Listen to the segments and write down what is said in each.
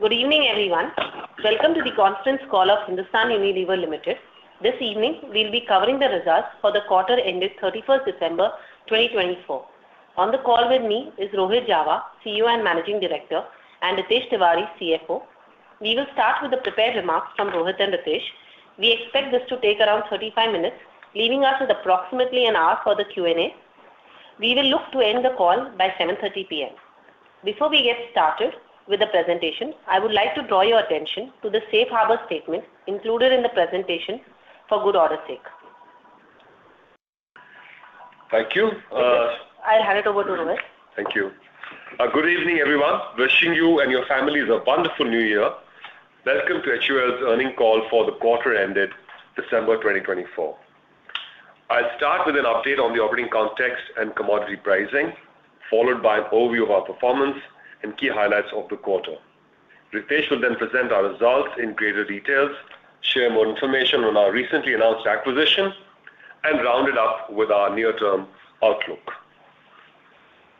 Good evening, everyone. Welcome to the conference call of Hindustan Unilever Limited. This evening, we'll be covering the results for the quarter ended 31st December 2024. On the call with me is Rohit Jawa, CEO and Managing Director, and Ritesh Tiwari, CFO. We will start with the prepared remarks from Rohit and Ritesh. We expect this to take around 35 minutes, leaving us with approximately an hour for the Q&A. We will look to end the call by 7:30 PM. Before we get started with the presentation, I would like to draw your attention to the Safe Harbor statement included in the presentation for good order's sake. Thank you. Rohit, I'll hand it over to Rohit. Thank you. Good evening, everyone. Wishing you and your families a wonderful New Year. Welcome to HUL's earnings call for the quarter ended December 2024. I'll start with an update on the operating context and commodity pricing, followed by an overview of our performance and key highlights of the quarter. Ritesh will then present our results in greater detail, share more information on our recently announced acquisition, and round it up with our near-term outlook.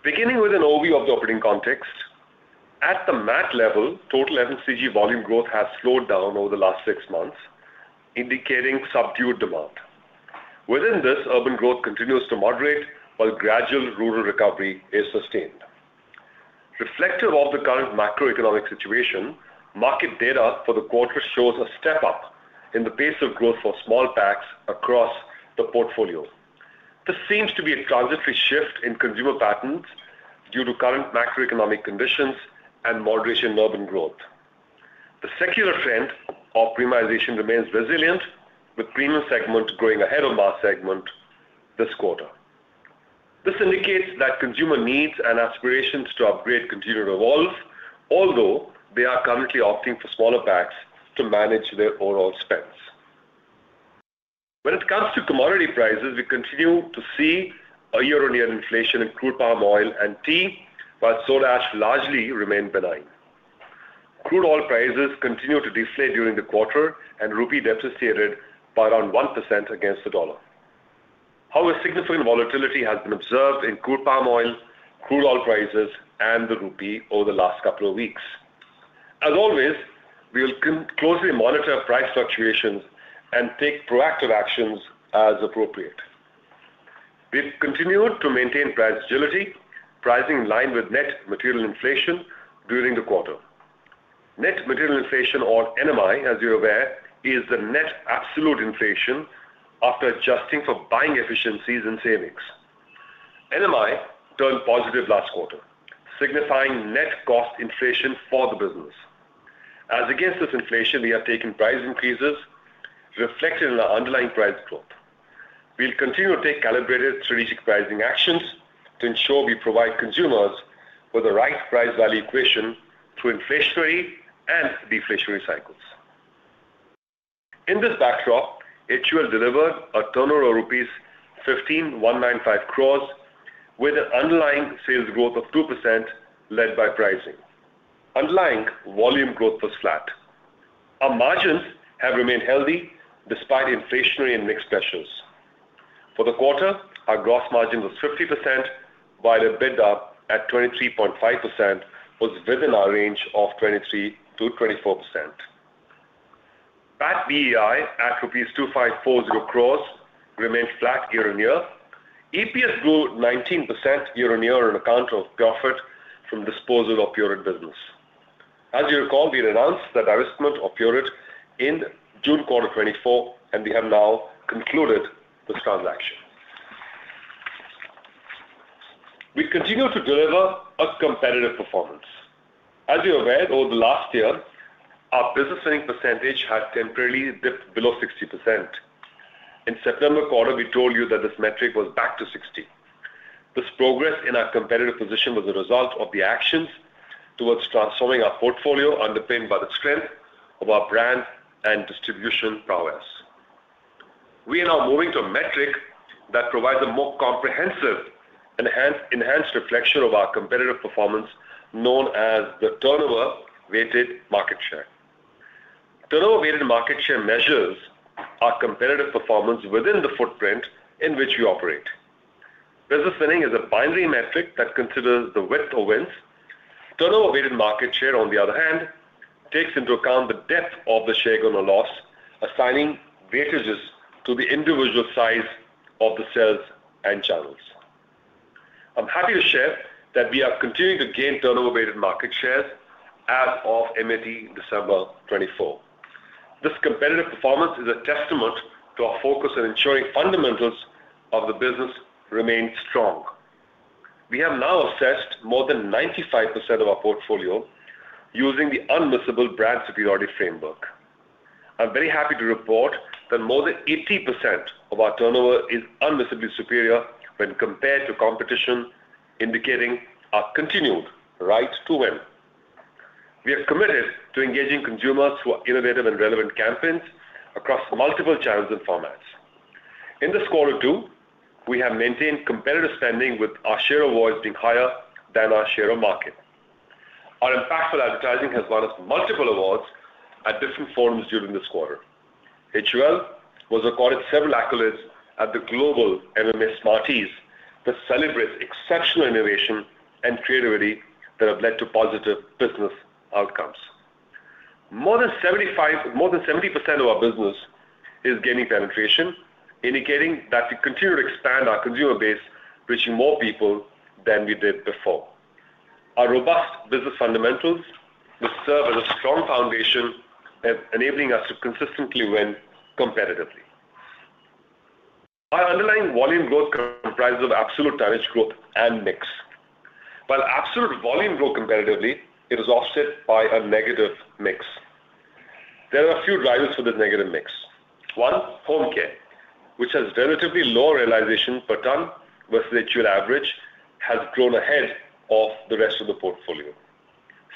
Beginning with an overview of the operating context, at the MAT level, total FMCG volume growth has slowed down over the last six months, indicating subdued demand. Within this, urban growth continues to moderate while gradual rural recovery is sustained. Reflective of the current macroeconomic situation, market data for the quarter shows a step-up in the pace of growth for small packs across the portfolio. This seems to be a transitory shift in consumer patterns due to current macroeconomic conditions and moderation in urban growth. The secular trend of premiumization remains resilient, with premium segment growing ahead of mass segment this quarter. This indicates that consumer needs and aspirations to upgrade continue to evolve, although they are currently opting for smaller packs to manage their overall spends. When it comes to commodity prices, we continue to see a year-on-year inflation in crude palm oil and tea, while soda ash largely remained benign. Crude oil prices continue to deflate during the quarter, and rupee depreciated by around 1% against the dollar. However, significant volatility has been observed in crude palm oil, crude oil prices, and the rupee over the last couple of weeks. As always, we will closely monitor price fluctuations and take proactive actions as appropriate. We've continued to maintain price agility, pricing in line with net material inflation during the quarter. Net material inflation, or NMI, as you're aware, is the net absolute inflation after adjusting for buying efficiencies and savings. NMI turned positive last quarter, signifying net cost inflation for the business. As against this inflation, we have taken price increases reflected in our underlying price growth. We'll continue to take calibrated strategic pricing actions to ensure we provide consumers with the right price-value equation through inflationary and deflationary cycles. In this backdrop, HUL delivered a turnover of rupees 15,195 crores with an underlying sales growth of 2% led by pricing. Underlying volume growth was flat. Our margins have remained healthy despite inflationary and mixed pressures. For the quarter, our gross margin was 50%, while EBITDA at 23.5% was within our range of 23%-24%. PAT BEI at rupees 2,540 crores remained flat year-on-year. EPS grew 19% year-on-year on account of profit from disposal of Pureit business. As you recall, we announced the divestment of Pureit in June quarter 2024, and we have now concluded this transaction. We continue to deliver a competitive performance. As you're aware, over the last year, our Business Winning percentage had temporarily dipped below 60%. In September quarter, we told you that this metric was back to 60. This progress in our competitive position was a result of the actions towards transforming our portfolio underpinned by the strength of our brand and distribution prowess. We are now moving to a metric that provides a more comprehensive and enhanced reflection of our competitive performance known as the turnover-weighted market share. Turnover-weighted market share measures our competitive performance within the footprint in which we operate. Business Winnings is a binary metric that considers the width of wins. Turnover-weighted market share, on the other hand, takes into account the depth of the share gain or loss, assigning weightages to the individual size of the sales and channels. I'm happy to share that we are continuing to gain turnover-weighted market shares as of MAT December 2024. This competitive performance is a testament to our focus on ensuring fundamentals of the business remain strong. We have now assessed more than 95% of our portfolio using the unmissable brand superiority framework. I'm very happy to report that more than 80% of our turnover is unmissably superior when compared to competition, indicating our continued right to win. We are committed to engaging consumers through our innovative and relevant campaigns across multiple channels and formats. In this quarter too, we have maintained competitive spending, with our share of awards being higher than our share of market. Our impactful advertising has won us multiple awards at different forums during this quarter. HUL received several accolades at the global MMA Smarties that celebrate exceptional innovation and creativity that have led to positive business outcomes. More than 70% of our business is gaining penetration, indicating that we continue to expand our consumer base, reaching more people than we did before. Our robust business fundamentals will serve as a strong foundation, enabling us to consistently win competitively. Our underlying volume growth comprises of absolute tonnage growth and mix. While absolute volume grew competitively, it was offset by a negative mix. There are a few drivers for this negative mix. One, home care, which has relatively low realization per ton versus HUL average, has grown ahead of the rest of the portfolio.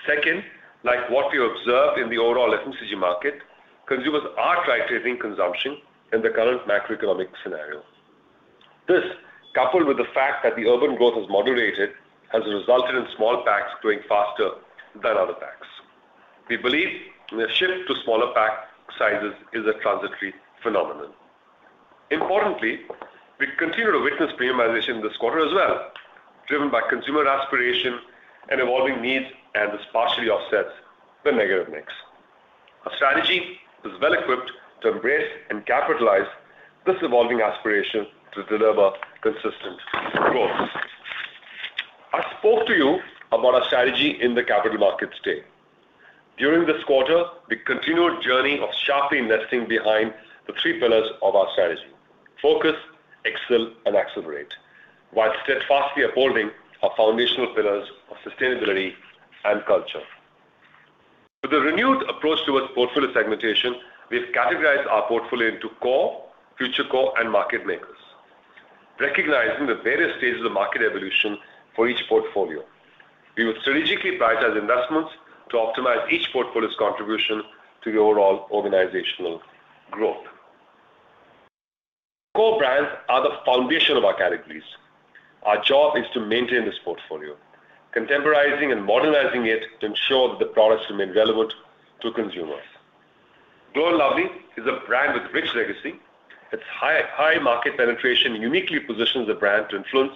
Second, like what we observe in the overall FMCG market, consumers are prioritizing consumption in the current macroeconomic scenario. This, coupled with the fact that the urban growth has moderated, has resulted in small packs growing faster than other packs. We believe the shift to smaller pack sizes is a transitory phenomenon. Importantly, we continue to witness premiumization this quarter as well, driven by consumer aspiration and evolving needs, and this partially offsets the negative mix. Our strategy is well-equipped to embrace and capitalize this evolving aspiration to deliver consistent growth. I spoke to you about our strategy in the capital markets today. During this quarter, we continued our journey of sharply investing behind the three pillars of our strategy: focus, excel, and accelerate, while steadfastly upholding our foundational pillars of sustainability and culture. With a renewed approach towards portfolio segmentation, we've categorized our portfolio into core, future core, and market makers, recognizing the various stages of market evolution for each portfolio. We will strategically prioritize investments to optimize each portfolio's contribution to the overall organizational growth. Core brands are the foundation of our categories. Our job is to maintain this portfolio, contemporizing and modernizing it to ensure that the products remain relevant to consumers. Glow & Lovely is a brand with rich legacy. Its high market penetration uniquely positions the brand to influence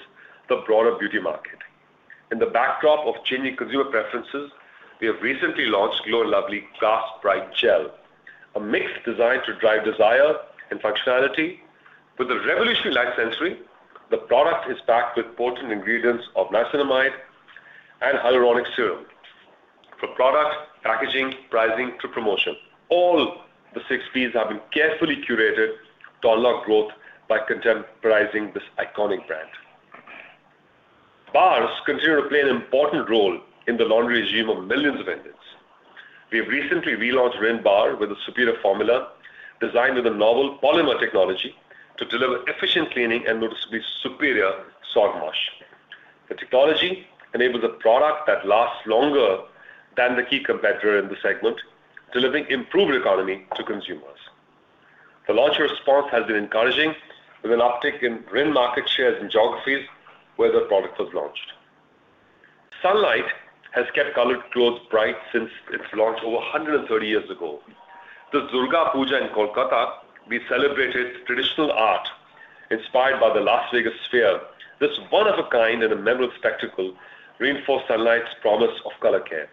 the broader beauty market. In the backdrop of changing consumer preferences, we have recently launched Glow & Lovely Glass Bright Gel, a mix designed to drive desire and functionality. With a revolutionary light sensory, the product is packed with potent ingredients of niacinamide and hyaluronic serum. From product, packaging, pricing to promotion, all the six P's have been carefully curated to unlock growth by contemporizing this iconic brand. Bars continue to play an important role in the laundry regime of millions of Indians. We have recently relaunched Rin Bar with a superior formula designed with a novel polymer technology to deliver efficient cleaning and noticeably superior soil wash. The technology enables a product that lasts longer than the key competitor in the segment, delivering improved economy to consumers. The launch response has been encouraging with an uptick in Rin market shares in geographies where the product was launched. Sunlight has kept colored clothes bright since its launch over 130 years ago. The Durga Puja in Kolkata celebrated traditional art inspired by the Las Vegas Sphere. This one-of-a-kind and memorable spectacle reinforced Sunlight's promise of color care.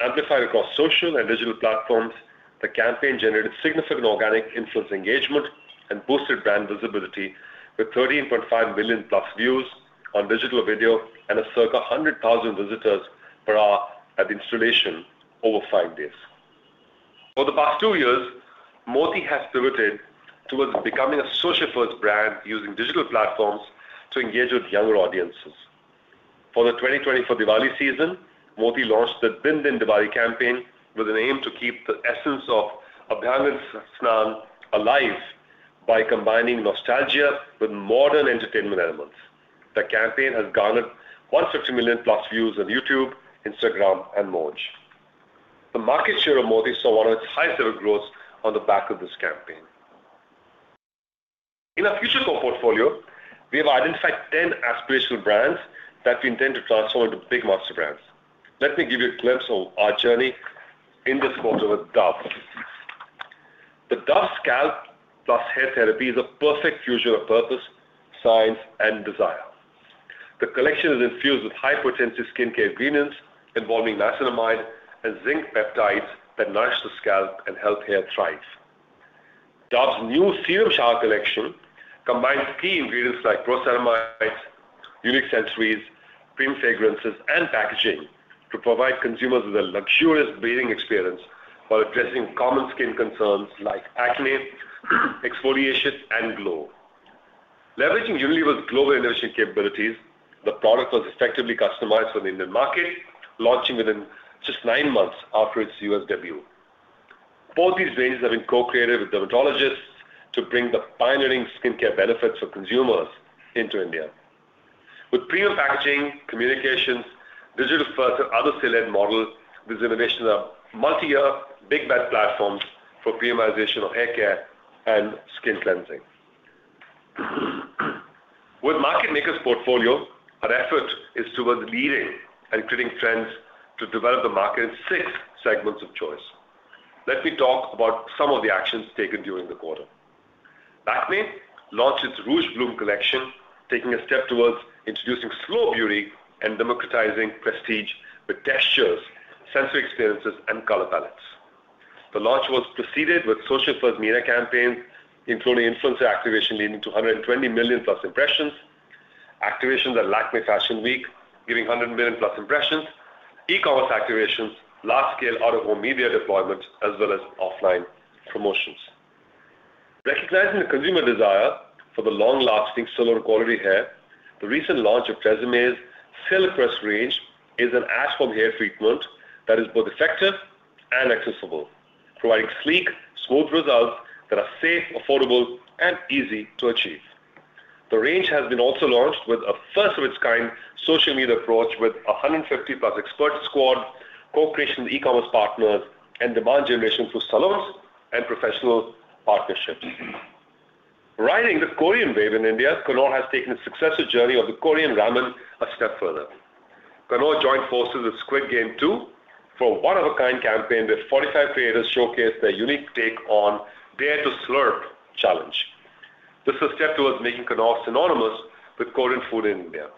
Amplified across social and digital platforms, the campaign generated significant organic influencer engagement and boosted brand visibility with 13.5 million- views on digital video and a circa 100,000 visitors per hour at the installation over five days. For the past two years, Moti has pivoted towards becoming a social-first brand using digital platforms to engage with younger audiences. For the 2024 Diwali season, Moti launched the Bindaas Diwali campaign with an aim to keep the essence of Abhang and Satsang alive by combining nostalgia with modern entertainment elements. The campaign has garnered 150 million-plus views on YouTube, Instagram, and Moj. The market share of Moti saw one of its highest-ever growths on the back of this campaign. In our future core portfolio, we have identified 10 aspirational brands that we intend to transform into big master brands. Let me give you a glimpse of our journey in this quarter with Dove. The Dove Scalp Plus Hair Therapy is a perfect fusion of purpose, science, and desire. The collection is infused with high-potency skincare ingredients involving niacinamide and zinc peptides that nourish the scalp and help hair thrive. Dove's new Serum Shower collection combines key ingredients like Pro-Ceramides, unique sensories, premium fragrances, and packaging to provide consumers with a luxurious bathing experience while addressing common skin concerns like acne, exfoliation, and glow. Leveraging Unilever's global innovation capabilities, the product was effectively customized for the Indian market, launching within just nine months after its U.S. debut. Both these ranges have been co-created with dermatologists to bring the pioneering skincare benefits for consumers into India. With premium packaging, communications, digital-first, and other sale-led models, these innovations are multi-year big-bet platforms for premiumization of hair care and skin cleansing. beauty and wellbeing portfolio, our effort is towards leading and creating trends to develop the market in six segments of choice. Let me talk about some of the actions taken during the quarter. Lakmé launched its Rouge Bloom collection, taking a step towards introducing slow beauty and democratizing prestige with textures, sensory experiences, and color palettes. The launch was preceded with social-first media campaigns, including influencer activation leading to 120 million plus impressions, activations at Lakmé Fashion Week giving 100 million plus impressions, e-commerce activations, large-scale out-of-home media deployments, as well as offline promotions. Recognizing the consumer desire for the long-lasting salon quality hair, the recent launch of TRESemmé's Silk Press range is an at-home hair treatment that is both effective and accessible, providing sleek, smooth results that are safe, affordable, and easy to achieve. The range has been also launched with a first-of-its-kind social media approach with a 150-plus expert squad, co-creation with e-commerce partners, and demand generation through salons and professional partnerships. Riding the Korean wave in India, Knorr has taken the successor journey of the Korean ramen a step further. Knorr joined forces with Squid Game 2 for a one-of-a-kind campaign where 45 creators showcased their unique take on Dare to Slurp challenge. This is a step towards making Knorr synonymous with Korean food in India.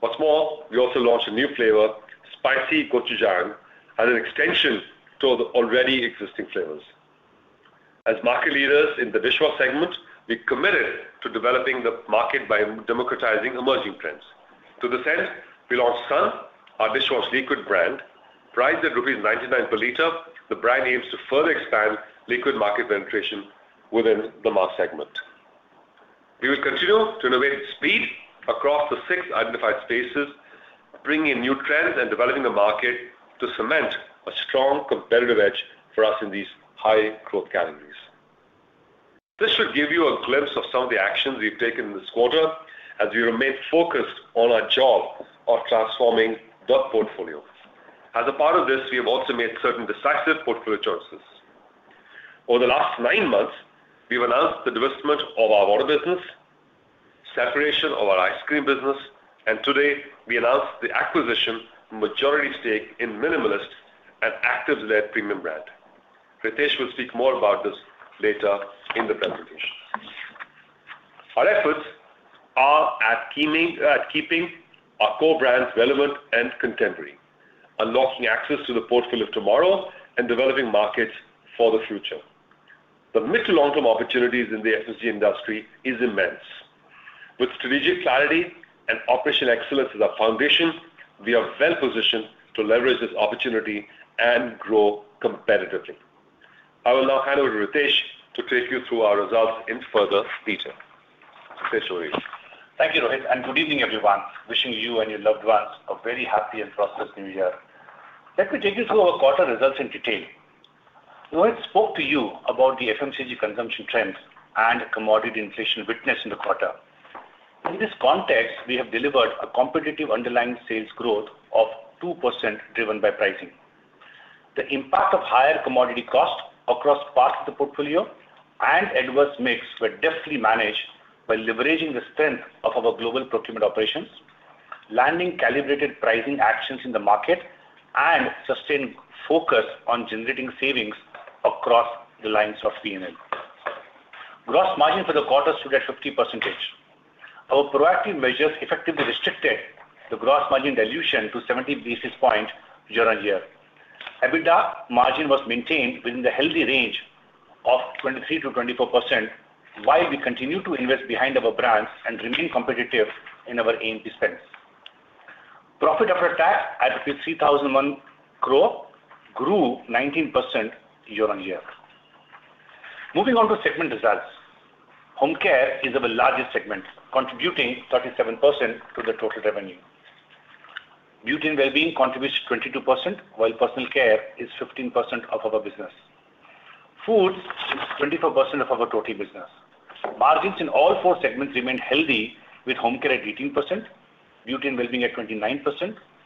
What's more, we also launched a new flavor, Spicy Gochujang, as an extension to the already existing flavors. As market leaders in the dishwash segment, we committed to developing the market by democratizing emerging trends. To this end, we launched Sun, our dishwash liquid brand. Priced at rupees 99 per liter, the brand aims to further expand liquid market penetration within the mass segment. We will continue to innovate at speed across the six identified spaces, bringing in new trends and developing the market to cement a strong competitive edge for us in these high-growth categories. This should give you a glimpse of some of the actions we've taken in this quarter as we remain focused on our job of transforming the portfolio. As a part of this, we have also made certain decisive portfolio choices. Over the last nine months, we've announced the divestment of our water business, separation of our ice cream business, and today, we announced the acquisition of a majority stake in Minimalist and Actives-led premium brand. Ritesh will speak more about this later in the presentation. Our efforts are at keeping our core brands relevant and contemporary, unlocking access to the portfolio of tomorrow, and developing markets for the future. The mid-to-long-term opportunities in the FMCG industry are immense. With strategic clarity and operational excellence as our foundation, we are well-positioned to leverage this opportunity and grow competitively. I will now hand over to Ritesh to take you through our results in further detail. Ritesh Tiwari. Thank you, Rohit, and good evening, everyone. Wishing you and your loved ones a very happy and prosperous New Year. Let me take you through our quarter results in detail. Rohit spoke to you about the FMCG consumption trends and commodity inflation witnessed in the quarter. In this context, we have delivered a competitive underlying sales growth of 2% driven by pricing. The impact of higher commodity costs across parts of the portfolio and adverse mix were deftly managed by leveraging the strength of our global procurement operations, landing calibrated pricing actions in the market, and sustained focus on generating savings across the lines of P&L. Gross margin for the quarter stood at 50%. Our proactive measures effectively restricted the gross margin dilution to 70 basis points year-on-year. EBITDA margin was maintained within the healthy range of 23%-24% while we continued to invest behind our brands and remain competitive in our A&P spends. Profit after tax at ₹3,001 grew 19% year-on-year. Moving on to segment results, home care is our largest segment, contributing 37% to the total revenue. Beauty and well-being contributes 22%, while personal care is 15% of our business. Foods is 24% of our total business. Margins in all four segments remain healthy, with home care at 18%, beauty and well-being at 29%,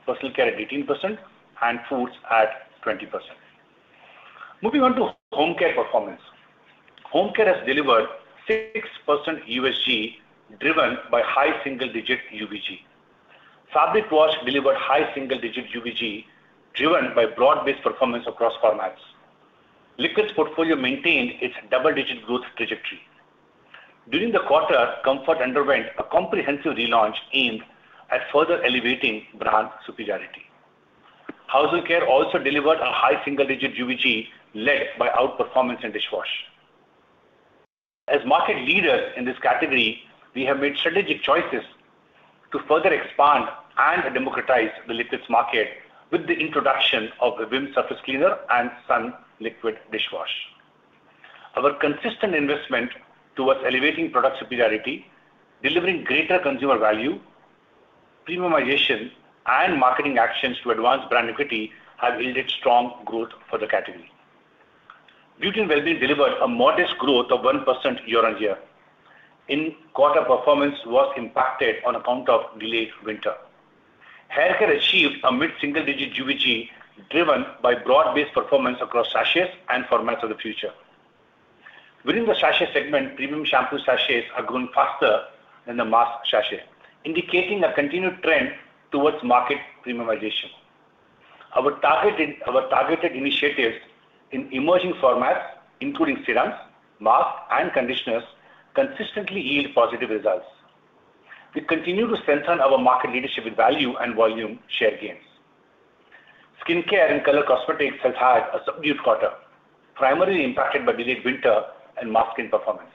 personal care at 18%, and foods at 20%. Moving on to home care performance, home care has delivered 6% USG driven by high single-digit UVG. Fabric wash delivered high single-digit UVG driven by broad-based performance across formats. Liquids portfolio maintained its double-digit growth trajectory. During the quarter, Comfort underwent a comprehensive relaunch aimed at further elevating brand superiority. Home Care also delivered a high single-digit UVG led by outperformance in dishwash. As market leaders in this category, we have made strategic choices to further expand and democratize the liquids market with the introduction of a Vim surface cleaner and Sun liquid dishwash. Our consistent investment towards elevating product superiority, delivering greater consumer value, premiumization, and marketing actions to advance brand equity have yielded strong growth for the category. Beauty and well-being delivered a modest growth of 1% year-on-year. In-quarter performance was impacted on account of delayed winter. Hair Care achieved a mid-single-digit UVG driven by broad-based performance across sachets and formats of the future. Within the sachet segment, premium shampoo sachets are growing faster than the mass sachet, indicating a continued trend towards market premiumization. Our targeted initiatives in emerging formats, including serums, masks, and conditioners, consistently yield positive results. We continue to strengthen our market leadership with value and volume share gains. Skincare and color cosmetics have had a subdued quarter, primarily impacted by delayed winter and masking performance.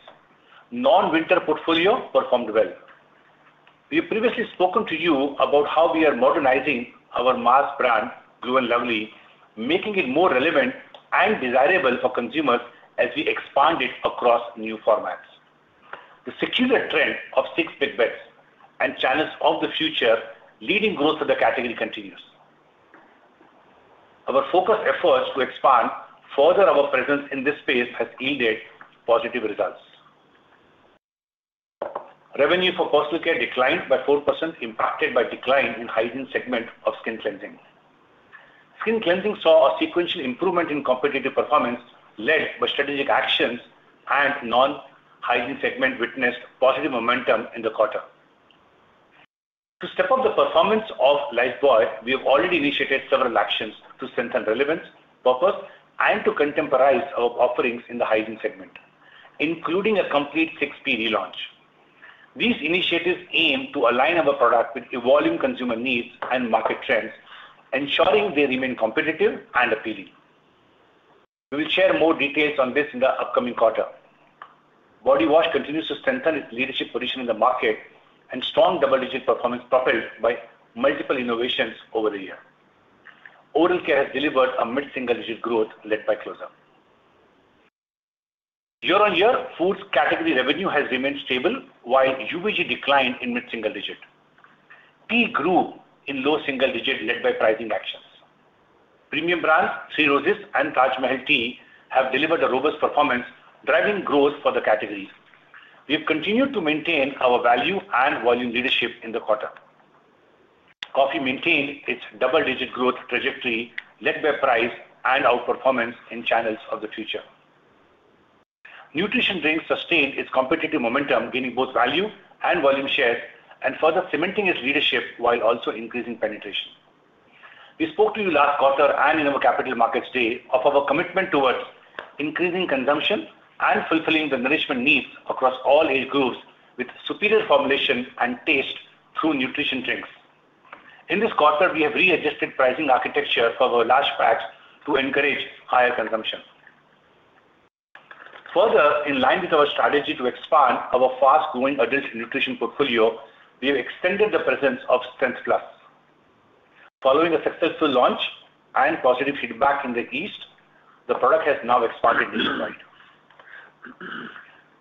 Non-winter portfolio performed well. We have previously spoken to you about how we are modernizing our mass brand, Glow & Lovely, making it more relevant and desirable for consumers as we expand it across new formats. The secular trend of six big bets and channels of the future leading growth of the category continues. Our focused efforts to expand further our presence in this space have yielded positive results. Revenue for personal care declined by 4%, impacted by decline in hygiene segment of skin cleansing. Skin cleansing saw a sequential improvement in competitive performance led by strategic actions, and non-hygiene segment witnessed positive momentum in the quarter. To step up the performance of Lifebuoy, we have already initiated several actions to strengthen relevance, purpose, and to contemporize our offerings in the hygiene segment, including a complete 6P relaunch. These initiatives aim to align our product with evolving consumer needs and market trends, ensuring they remain competitive and appealing. We will share more details on this in the upcoming quarter. Body Wash continues to strengthen its leadership position in the market, and strong double-digit performance propelled by multiple innovations over the year. Oral Care has delivered a mid-single-digit growth led by Close Up. Year-on-year, foods category revenue has remained stable, while UVG declined in mid-single digit. Tea grew in low single digit led by pricing actions. Premium brands 3 Roses and Taj Mahal Tea have delivered a robust performance, driving growth for the categories. We have continued to maintain our value and volume leadership in the quarter. Coffee maintained its double-digit growth trajectory led by price and outperformance in channels of the future. Nutrition Drinks sustained its competitive momentum, gaining both value and volume shares and further cementing its leadership while also increasing penetration. We spoke to you last quarter and in our capital markets day of our commitment towards increasing consumption and fulfilling the nourishment needs across all age groups with superior formulation and taste through nutrition drinks. In this quarter, we have readjusted pricing architecture for our large packs to encourage higher consumption. Further, in line with our strategy to expand our fast-growing adult nutrition portfolio, we have extended the presence of Strength Plus. Following a successful launch and positive feedback in the East, the product has now expanded nationwide.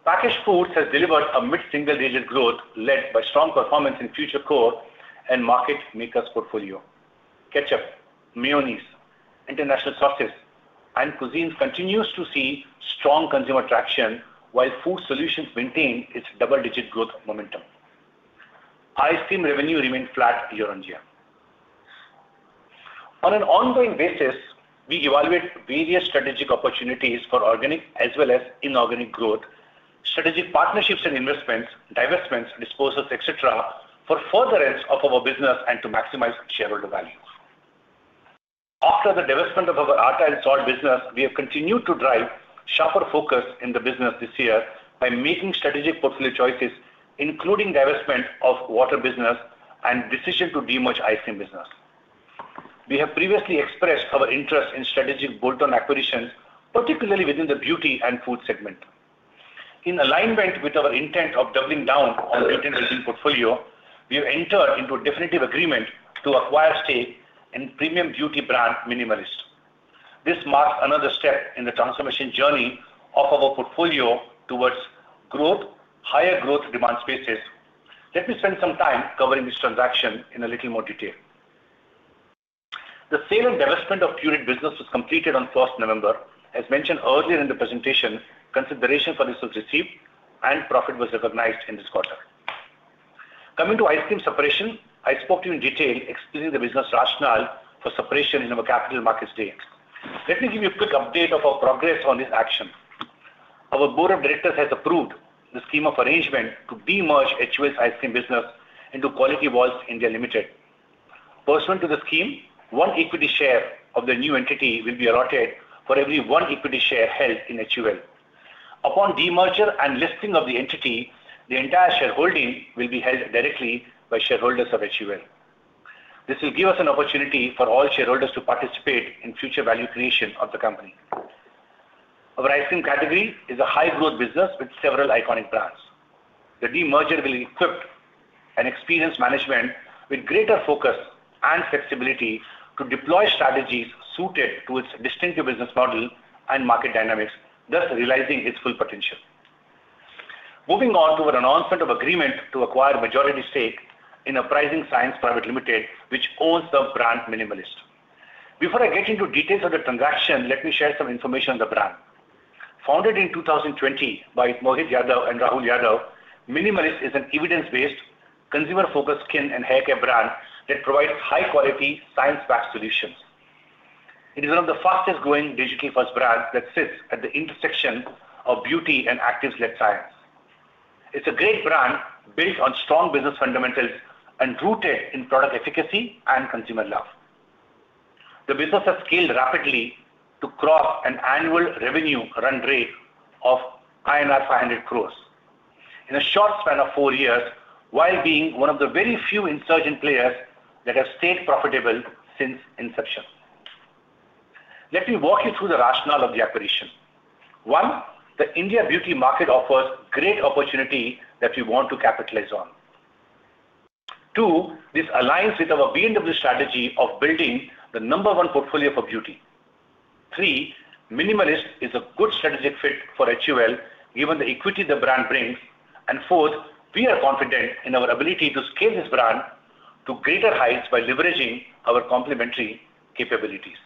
Packaged Foods has delivered a mid-single-digit growth led by strong performance in future core and market makers' portfolio. Ketchup, mayonnaise, international sauces, and cuisines continue to see strong consumer traction while food solutions maintain its double-digit growth momentum. Ice cream revenue remained flat year-on-year. On an ongoing basis, we evaluate various strategic opportunities for organic as well as inorganic growth, strategic partnerships and investments, divestments, disposals, etc., for furtherance of our business and to maximize shareholder value. After the divestment of our Annapurna salt business, we have continued to drive sharper focus in the business this year by making strategic portfolio choices, including divestment of water business and decision to demerge ice cream business. We have previously expressed our interest in strategic bolt-on acquisitions, particularly within the beauty and food segment. In alignment with our intent of doubling down on beauty and well-being portfolio, we have entered into a definitive agreement to acquire stake in premium beauty brand Minimalist. This marks another step in the transformation journey of our portfolio towards higher growth demand spaces. Let me spend some time covering this transaction in a little more detail. The sale and divestment of Pureit business was completed on 1st November. As mentioned earlier in the presentation, consideration for this was received and profit was recognized in this quarter. Coming to ice cream separation, I spoke to you in detail explaining the business rationale for separation in our capital markets day. Let me give you a quick update of our progress on this action. Our Board of Directors has approved the scheme of arrangement to de-merge HUL's ice cream business into Kwality Wall's India Limited. Pursuant to the scheme, one equity share of the new entity will be allotted for every one equity share held in HUL. Upon de-merger and listing of the entity, the entire shareholding will be held directly by shareholders of HUL. This will give us an opportunity for all shareholders to participate in future value creation of the company. Our ice cream category is a high-growth business with several iconic brands. The de-merger will equip an experienced management with greater focus and flexibility to deploy strategies suited to its distinctive business model and market dynamics, thus realizing its full potential. Moving on to our announcement of agreement to acquire majority stake in Uprising Science Private Limited, which owns the brand Minimalist. Before I get into details of the transaction, let me share some information on the brand. Founded in 2020 by Mohit Yadav and Rahul Yadav, Minimalist is an evidence-based, consumer-focused skin and hair care brand that provides high-quality science-backed solutions. It is one of the fastest-growing digitally-first brands that sits at the intersection of beauty and actives-led science. It's a great brand built on strong business fundamentals and rooted in product efficacy and consumer love. The business has scaled rapidly to cross an annual revenue run rate of INR 500 crores in a short span of four years while being one of the very few insurgent players that have stayed profitable since inception. Let me walk you through the rationale of the acquisition. One, the India beauty market offers great opportunity that we want to capitalize on. Two, this aligns with our BNW strategy of building the number one portfolio for beauty. Third, Minimalist is a good strategic fit for HUL given the equity the brand brings. And fourth, we are confident in our ability to scale this brand to greater heights by leveraging our complementary capabilities.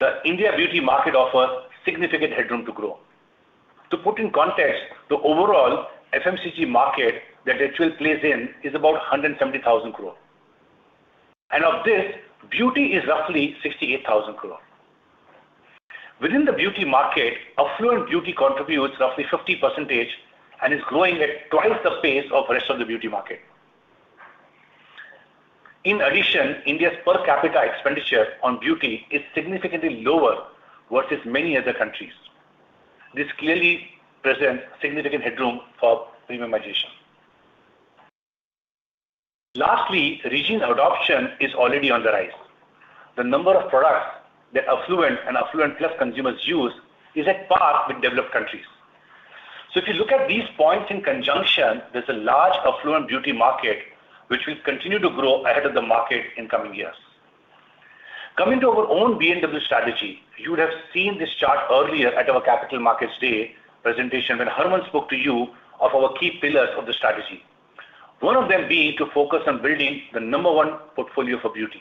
The Indian beauty market offers significant headroom to grow. To put in context, the overall FMCG market that HUL plays in is about 170,000 crores. And of this, beauty is roughly 68,000 crores. Within the beauty market, affluent beauty contributes roughly 50% and is growing at twice the pace of the rest of the beauty market. In addition, India's per capita expenditure on beauty is significantly lower versus many other countries. This clearly presents significant headroom for premiumization. Lastly, regimen adoption is already on the rise. The number of products that affluent and affluent-plus consumers use is at par with developed countries. So if you look at these points in conjunction, there's a large affluent beauty market which will continue to grow ahead of the market in coming years. Coming to our own BNW strategy, you would have seen this chart earlier at our capital markets day presentation when Harman spoke to you of our key pillars of the strategy, one of them being to focus on building the number one portfolio for beauty.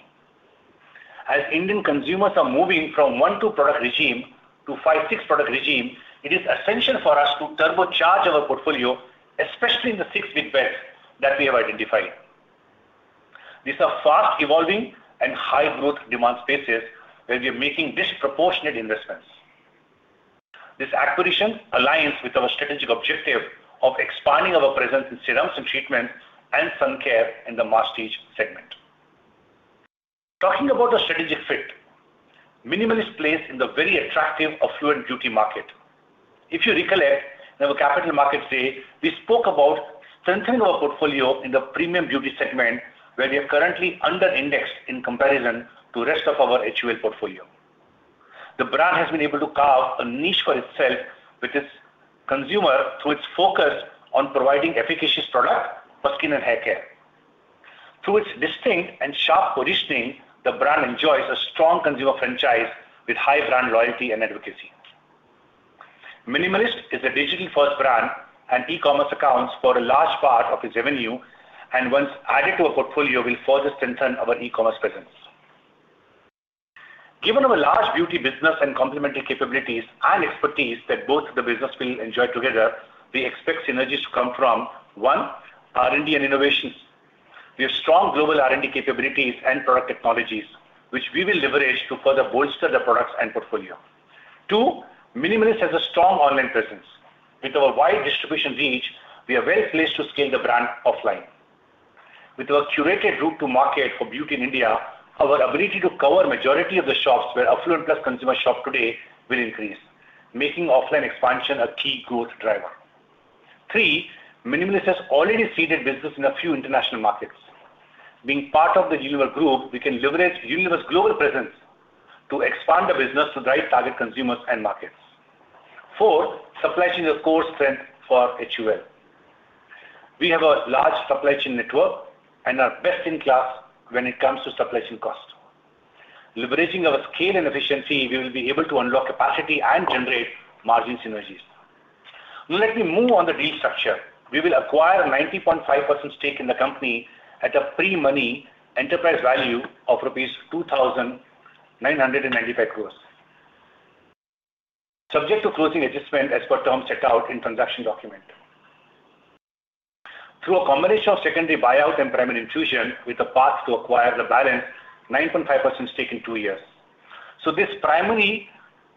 As Indian consumers are moving from one-two product regime to five-six product regime, it is essential for us to turbocharge our portfolio, especially in the six big bets that we have identified. These are fast-evolving and high-growth demand spaces where we are making disproportionate investments. This acquisition aligns with our strategic objective of expanding our presence in serums and treatments and sun care in the masstige segment. Talking about a strategic fit, Minimalist plays in the very attractive affluent beauty market. If you recollect, in our capital markets day, we spoke about strengthening our portfolio in the premium beauty segment where we are currently under-indexed in comparison to the rest of our HUL portfolio. The brand has been able to carve a niche for itself with its consumer through its focus on providing efficacious products for skin and hair care. Through its distinct and sharp positioning, the brand enjoys a strong consumer franchise with high brand loyalty and advocacy. Minimalist is a digital-first brand and e-commerce accounts for a large part of its revenue and, once added to our portfolio, will further strengthen our e-commerce presence. Given our large beauty business and complementary capabilities and expertise that both of the businesses will enjoy together, we expect synergies to come from, one, R&D and innovations. We have strong global R&D capabilities and product technologies, which we will leverage to further bolster the products and portfolio. Two, Minimalist has a strong online presence. With our wide distribution reach, we are well placed to scale the brand offline. With our curated route to market for beauty in India, our ability to cover the majority of the shops where affluent-plus consumers shop today will increase, making offline expansion a key growth driver. Three, Minimalist has already seeded business in a few international markets. Being part of the Unilever Group, we can leverage Unilever's global presence to expand the business to the right target consumers and markets. Four, supply chain is a core strength for HUL. We have a large supply chain network and are best in class when it comes to supply chain cost. Leveraging our scale and efficiency, we will be able to unlock capacity and generate margin synergies. Now, let me move on the deal structure. We will acquire a 90.5% stake in the company at a pre-money enterprise value of rupees 2,995 crores, subject to closing adjustment as per terms set out in the transaction document. Through a combination of secondary buyout and primary infusion, we have a path to acquire the balance 9.5% stake in two years. So this primary,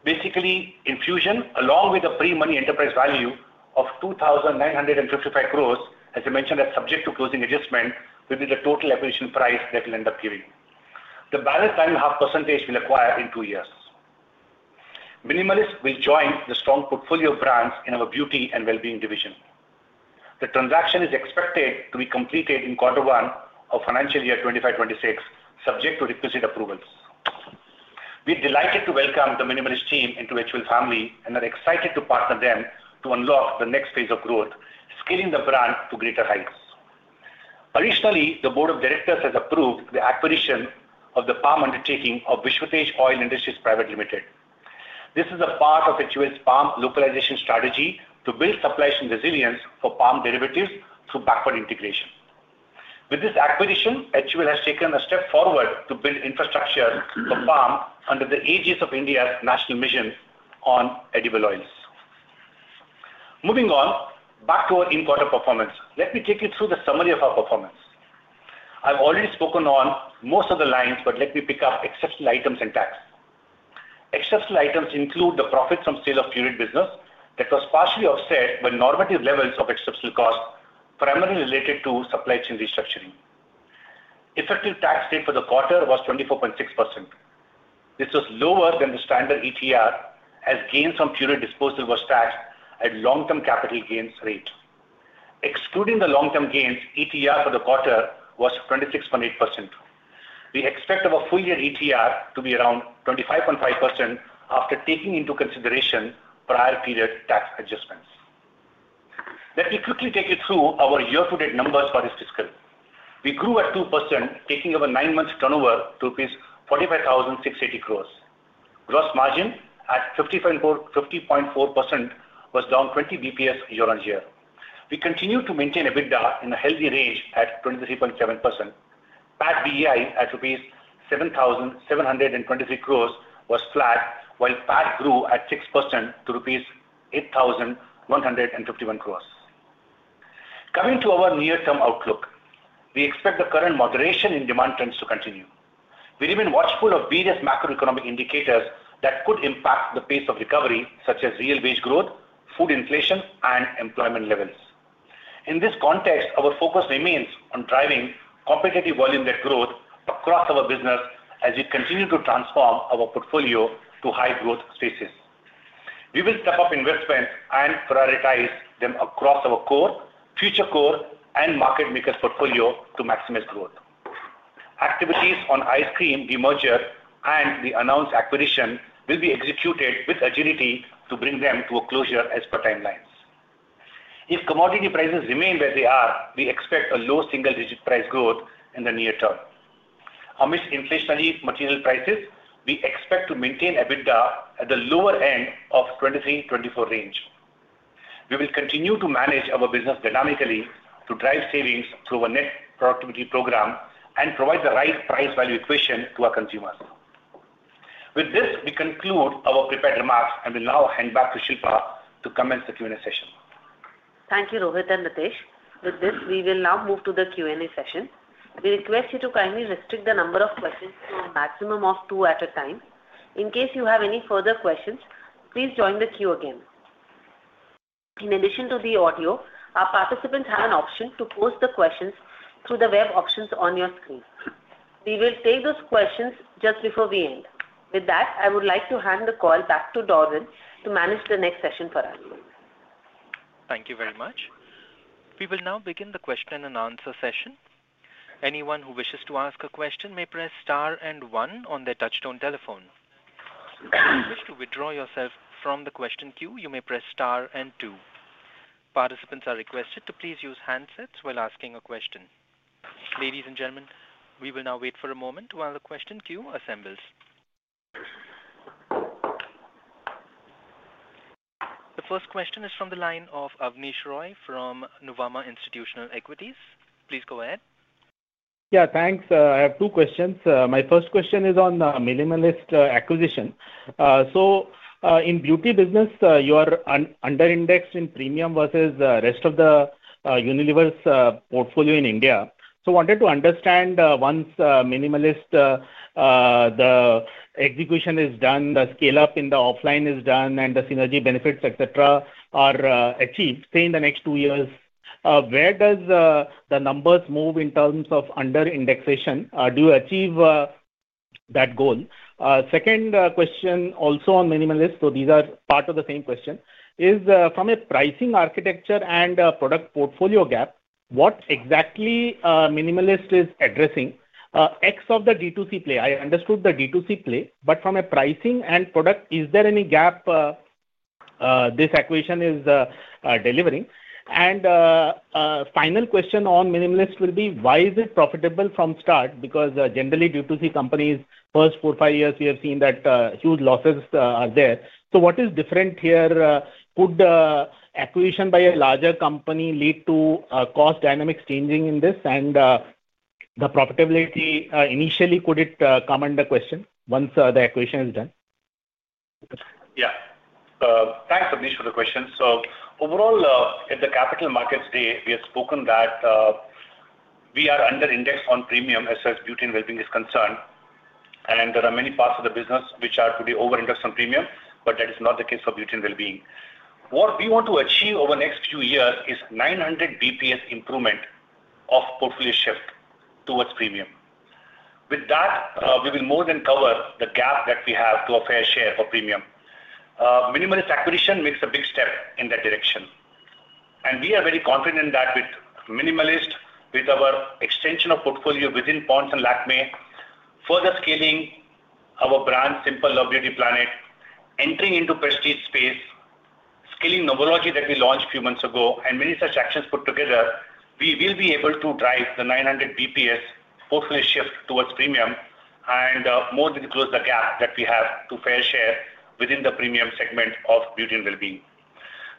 basically infusion, along with a pre-money enterprise value of 2,955 crores, as I mentioned, that's subject to closing adjustment, will be the total acquisition price that we'll end up giving. The balance 9.5% will acquire in two years. Minimalist will join the strong portfolio brands in our beauty and well-being division. The transaction is expected to be completed in quarter one of financial year 2026, subject to requisite approvals. We are delighted to welcome the Minimalist team into HUL family and are excited to partner with them to unlock the next phase of growth, scaling the brand to greater heights. Additionally, the Board of Directors has approved the acquisition of the palm undertaking of Vishwatej Oil Industries Private Limited. This is a part of HUL's palm localization strategy to build supply chain resilience for palm derivatives through backward integration. With this acquisition, HUL has taken a step forward to build infrastructure for palm under the aegis of India's national mission on edible oils. Moving on, back to our in-quarter performance, let me take you through the summary of our performance. I've already spoken on most of the lines, but let me pick up exceptional items and tax. Exceptional items include the profit from sale of Pureit business that was partially offset by normative levels of exceptional cost primarily related to supply chain restructuring. Effective tax rate for the quarter was 24.6%. This was lower than the standard ETR as gains from Pureit disposal were taxed at long-term capital gains rate. Excluding the long-term gains, ETR for the quarter was 26.8%. We expect our full-year ETR to be around 25.5% after taking into consideration prior period tax adjustments. Let me quickly take you through our year-to-date numbers for this fiscal. We grew at 2%, taking our nine-month turnover to rupees 45,680 crores. Gross margin at 50.4% was down 20 basis points year-on-year. We continue to maintain EBITDA in a healthy range at 23.7%. PAT BEI at INR 7,723 crores was flat, while PAT grew at 6% to INR 8,151 crores. Coming to our near-term outlook, we expect the current moderation in demand trends to continue. We remain watchful of various macroeconomic indicators that could impact the pace of recovery, such as real wage growth, food inflation, and employment levels. In this context, our focus remains on driving competitive volume-led growth across our business as we continue to transform our portfolio to high-growth spaces. We will step up investments and prioritize them across our core, future core, and market makers portfolio to maximize growth. Activities on ice cream de-merger and the announced acquisition will be executed with agility to bring them to a closure as per timelines. If commodity prices remain where they are, we expect a low single-digit price growth in the near term. Amidst inflationary material prices, we expect to maintain EBITDA at the lower end of 23-24 range. We will continue to manage our business dynamically to drive savings through our net productivity program and provide the right price-value equation to our consumers. With this, we conclude our prepared remarks and will now hand back to Shilpa to commence the Q&A session. Thank you, Rohit and Ritesh. With this, we will now move to the Q&A session. We request you to kindly restrict the number of questions to a maximum of two at a time. In case you have any further questions, please join the queue again. In addition to the audio, our participants have an option to post the questions through the web options on your screen. We will take those questions just before we end. With that, I would like to hand the call back to Dhawan to manage the next session for us. Thank you very much. We will now begin the question and answer session. Anyone who wishes to ask a question may press star and one on their touch-tone telephone. If you wish to withdraw yourself from the question queue, you may press star and two. Participants are requested to please use handsets while asking a question. Ladies and gentlemen, we will now wait for a moment while the question queue assembles. The first question is from the line of Abneesh Roy from Nuvama Institutional Equities. Please go ahead. Yeah, thanks. I have two questions. My first question is on Minimalist acquisition. So in beauty business, you are under-indexed in premium versus the rest of the Unilever's portfolio in India. So I wanted to understand, once Minimalist, the execution is done, the scale-up in the offline is done, and the synergy benefits, etc., are achieved, say, in the next two years, where do the numbers move in terms of under-indexation. Do you achieve that goal. Second question also on Minimalist, so these are part of the same question, is from a pricing architecture and product portfolio gap, what exactly Minimalist is addressing. Except for the D2C play, I understood the D2C play, but from a pricing and product, is there any gap this acquisition is delivering. And final question on Minimalist will be, why is it profitable from start. Because generally, D2C companies, first four, five years, we have seen that huge losses are there. So what is different here. Could acquisition by a larger company lead to cost dynamics changing in this. And the profitability initially, could it come under question once the acquisition is done? Yeah. Thanks, Abneesh, for the question. So overall, at the capital markets day, we have spoken that we are under-indexed on premium as far as beauty and well-being is concerned. And there are many parts of the business which are to be over-indexed on premium, but that is not the case for beauty and well-being. What we want to achieve over the next few years is 900 basis points improvement of portfolio shift towards premium. With that, we will more than cover the gap that we have to a fair share for premium. Minimalist acquisition makes a big step in that direction. We are very confident in that with Minimalist, with our extension of portfolio within Ponds and Lakmé, further scaling our brand, Simple, Love Beauty and Planet, entering into prestige space, scaling Novology that we launched a few months ago, and many such actions put together, we will be able to drive the 900 basis points portfolio shift towards premium and more than close the gap that we have to fair share within the premium segment of beauty and well-being.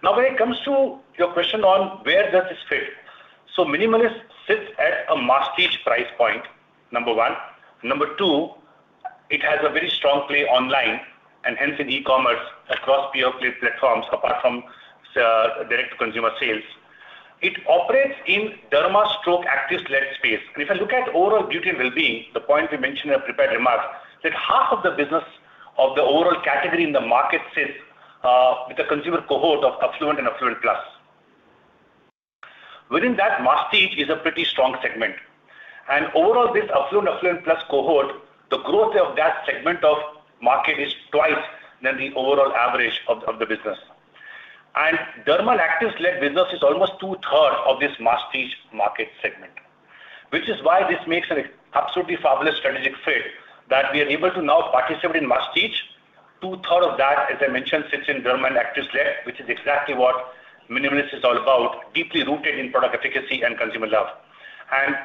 Now, when it comes to your question on where does this fit, so Minimalist sits at a masstige price point, number one. Number two, it has a very strong play online and hence in e-commerce across e-retail platforms, apart from direct-to-consumer sales. It operates in derma actives-led space. If I look at overall beauty and well-being, the point we mentioned in our prepared remarks, that half of the business of the overall category in the market sits with a consumer cohort of Affluent and Affluent Plus. Within that, masstige is a pretty strong segment. Overall, this Affluent and Affluent Plus cohort, the growth of that segment of market is twice than the overall average of the business. The derma actives-led business is almost two-thirds of this masstige market segment, which is why this makes an absolutely fabulous strategic fit that we are able to now participate in masstige. Two-thirds of that, as I mentioned, sits in derma actives-led, which is exactly what Minimalist is all about, deeply rooted in product efficacy and consumer love.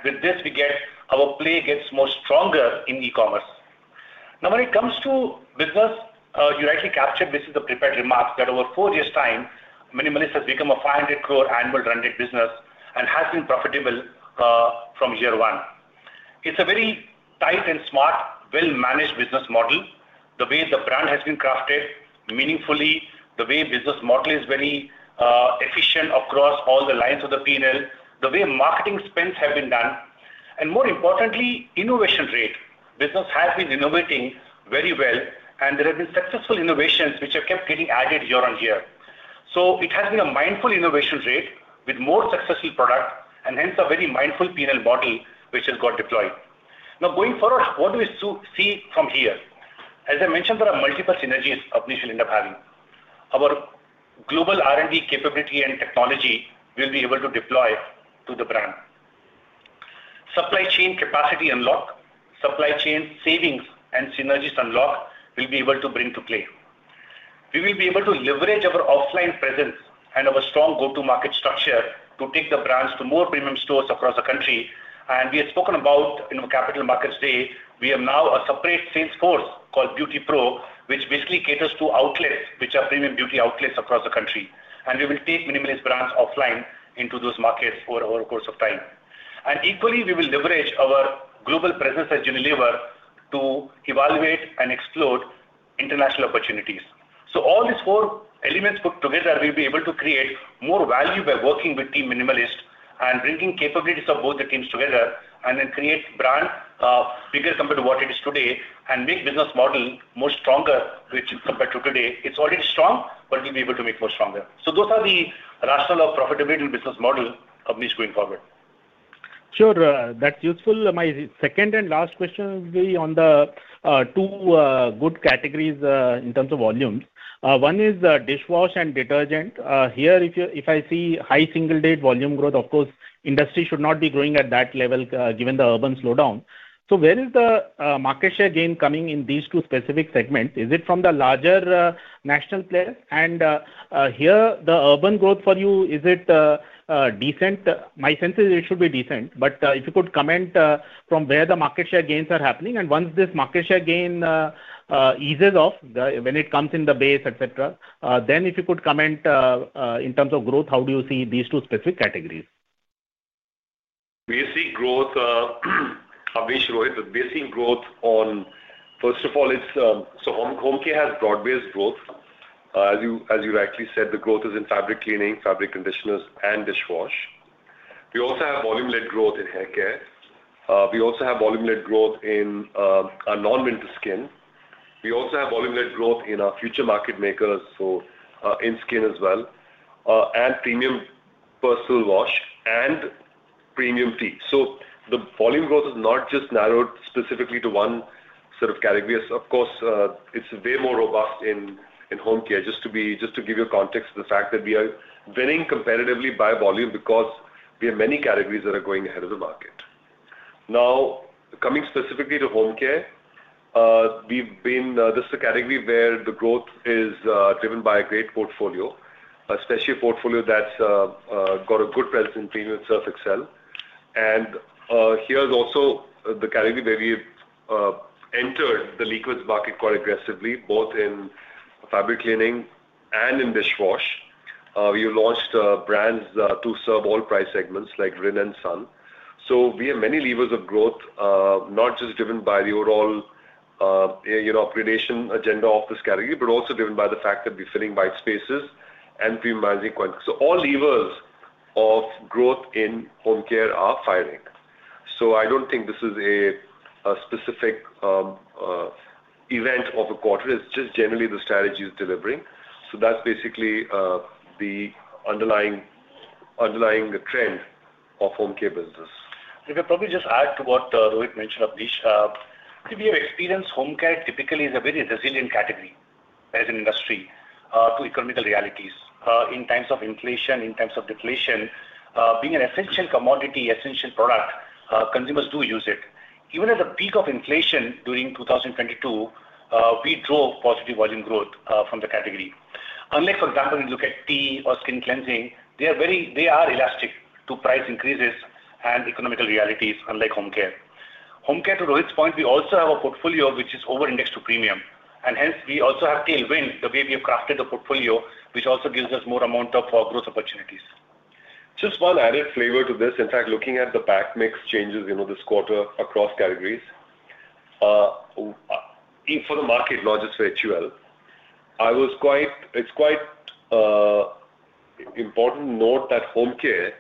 With this, we get our play gets more stronger in e-commerce. Now, when it comes to business, you rightly captured this in the prepared remarks that over four years' time, Minimalist has become a 500-crore annual run rate business and has been profitable from year one. It's a very tight and smart, well-managed business model, the way the brand has been crafted meaningfully, the way business model is very efficient across all the lines of the P&L, the way marketing spends have been done, and more importantly, innovation rate. Business has been innovating very well, and there have been successful innovations which have kept getting added year on year. So it has been a mindful innovation rate with more successful product and hence a very mindful P&L model which has got deployed. Now, going forward, what do we see from here? As I mentioned, there are multiple synergies Abneesh will end up having. Our global R&D capability and technology will be able to deploy to the brand. Supply chain capacity unlock, supply chain savings, and synergies unlock will be able to bring to play. We will be able to leverage our offline presence and our strong go-to-market structure to take the brands to more premium stores across the country, and we had spoken about in our capital markets day, we have now a separate sales force called Beauty Pro, which basically caters to outlets which are premium beauty outlets across the country, and we will take Minimalist brands offline into those markets over the course of time, and equally, we will leverage our global presence at Unilever to evaluate and explore international opportunities. So all these four elements put together, we'll be able to create more value by working with Team Minimalist and bringing capabilities of both the teams together and then create brand bigger compared to what it is today and make business model more stronger compared to today. It's already strong, but we'll be able to make more stronger. So those are the rationale of profitability and business model Abneesh going forward. Sure. That's useful. My second and last question will be on the two good categories in terms of volumes. One is dishwash and detergent. Here, if I see high single-digit volume growth, of course, industry should not be growing at that level given the urban slowdown. So where is the market share gain coming in these two specific segments? Is it from the larger national players? And here, the urban growth for you, is it decent? My sense is it should be decent, but if you could comment from where the market share gains are happening, and once this market share gain eases off when it comes in the base, etc., then if you could comment in terms of growth, how do you see these two specific categories? We see growth, Abneesh, Rohit. We're seeing growth on, first of all, so Homecare has broad-based growth. As you rightly said, the growth is in fabric cleaning, fabric conditioners, and dishwash. We also have volume-led growth in hair care. We also have volume-led growth in non-prestige skin. We also have volume-led growth in our future market makers, so in skin as well, and premium personal wash and premium tea. So the volume growth is not just narrowed specifically to one sort of category. Of course, it's way more robust in Homecare. Just to give you context, the fact that we are winning competitively by volume because we have many categories that are going ahead of the market. Now, coming specifically to Homecare, this is a category where the growth is driven by a great portfolio, especially a portfolio that's got a good presence in premium Surf Excel. And here's also the category where we entered the liquids market quite aggressively, both in fabric cleaning and in dishwash. We launched brands to serve all price segments like Rin and Sun. So we have many levers of growth, not just driven by the overall premiumization agenda of this category, but also driven by the fact that we're filling white spaces and premiumizing categories. So all levers of growth in Homecare are firing. So I don't think this is a specific event of a quarter. It's just generally the strategy is delivering. So that's basically the underlying trend of homecare business. If I probably just add to what Rohit mentioned, Abneesh, we have experienced homecare typically is a very resilient category as an industry to economic realities in times of inflation, in times of deflation. Being an essential commodity, essential product, consumers do use it. Even at the peak of inflation during 2022, we drove positive volume growth from the category. Unlike, for example, if you look at tea or skin cleansing, they are elastic to price increases and economic realities, unlike homecare. Homecare, to Rohit's point, we also have a portfolio which is over-indexed to premium. And hence, we also have tailwind the way we have crafted the portfolio, which also gives us more amount of growth opportunities. Just one added flavor to this, in fact, looking at the pack mix changes this quarter across categories. For the market largest for HUL, it's quite important to note that homecare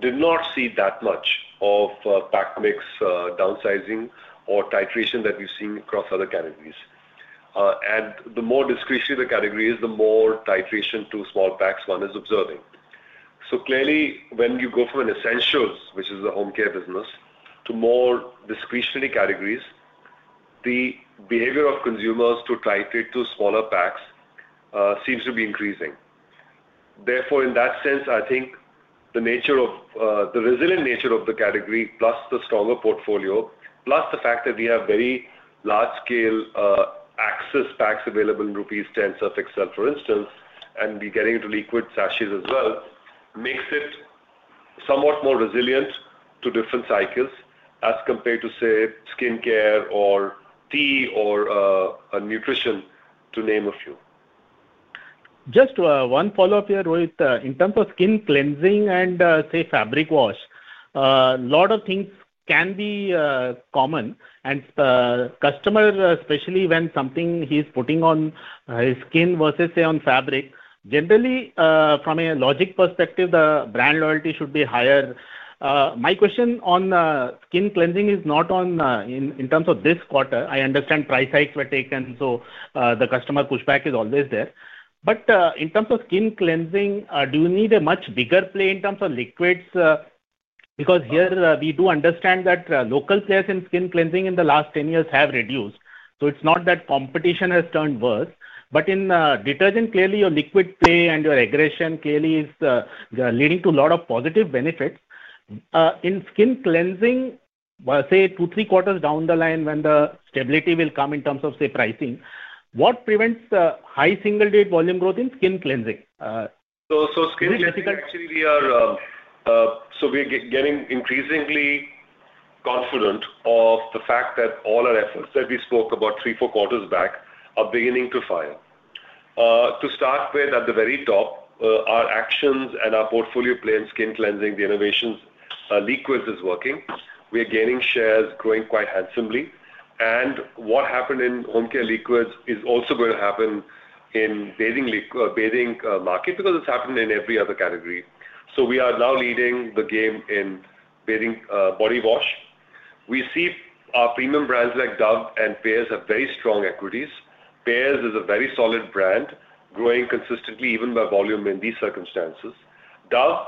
did not see that much of pack mix downsizing or titration that we've seen across other categories. And the more discretionary the category is, the more titration to small packs one is observing. So clearly, when you go from essentials, which is the homecare business, to more discretionary categories, the behavior of consumers to titrate to smaller packs seems to be increasing. Therefore, in that sense, I think the resilient nature of the category, plus the stronger portfolio, plus the fact that we have very large-scale access packs available in rupees 10 Surf Excel, for instance, and we're getting into liquid sachets as well, makes it somewhat more resilient to different cycles as compared to, say, skincare or tea or nutrition, to name a few. Just one follow-up here, Rohit. In terms of skin cleansing and, say, fabric wash, a lot of things can be common. And customers, especially when something he's putting on his skin versus, say, on fabric, generally, from a logic perspective, the brand loyalty should be higher. My question on skin cleansing is not in terms of this quarter. I understand price hikes were taken, so the customer pushback is always there. But in terms of skin cleansing, do you need a much bigger play in terms of liquids? Because here, we do understand that local players in skin cleansing in the last 10 years have reduced. So it's not that competition has turned worse. But in detergent, clearly, your liquid play and your aggression clearly is leading to a lot of positive benefits. In skin cleansing, say, two, three quarters down the line when the stability will come in terms of, say, pricing, what prevents high single-digit volume growth in skin cleansing? So skin cleansing, actually, we are getting increasingly confident of the fact that all our efforts that we spoke about three, four quarters back are beginning to fire. To start with, at the very top, our actions and our portfolio play in skin cleansing, the innovations, liquids is working. We are gaining shares, growing quite handsomely. And what happened in homecare liquids is also going to happen in bathing market because it's happened in every other category. So we are now leading the game in body wash. We see our premium brands like Dove and Pears have very strong equities. Pears is a very solid brand, growing consistently even by volume in these circumstances. Dove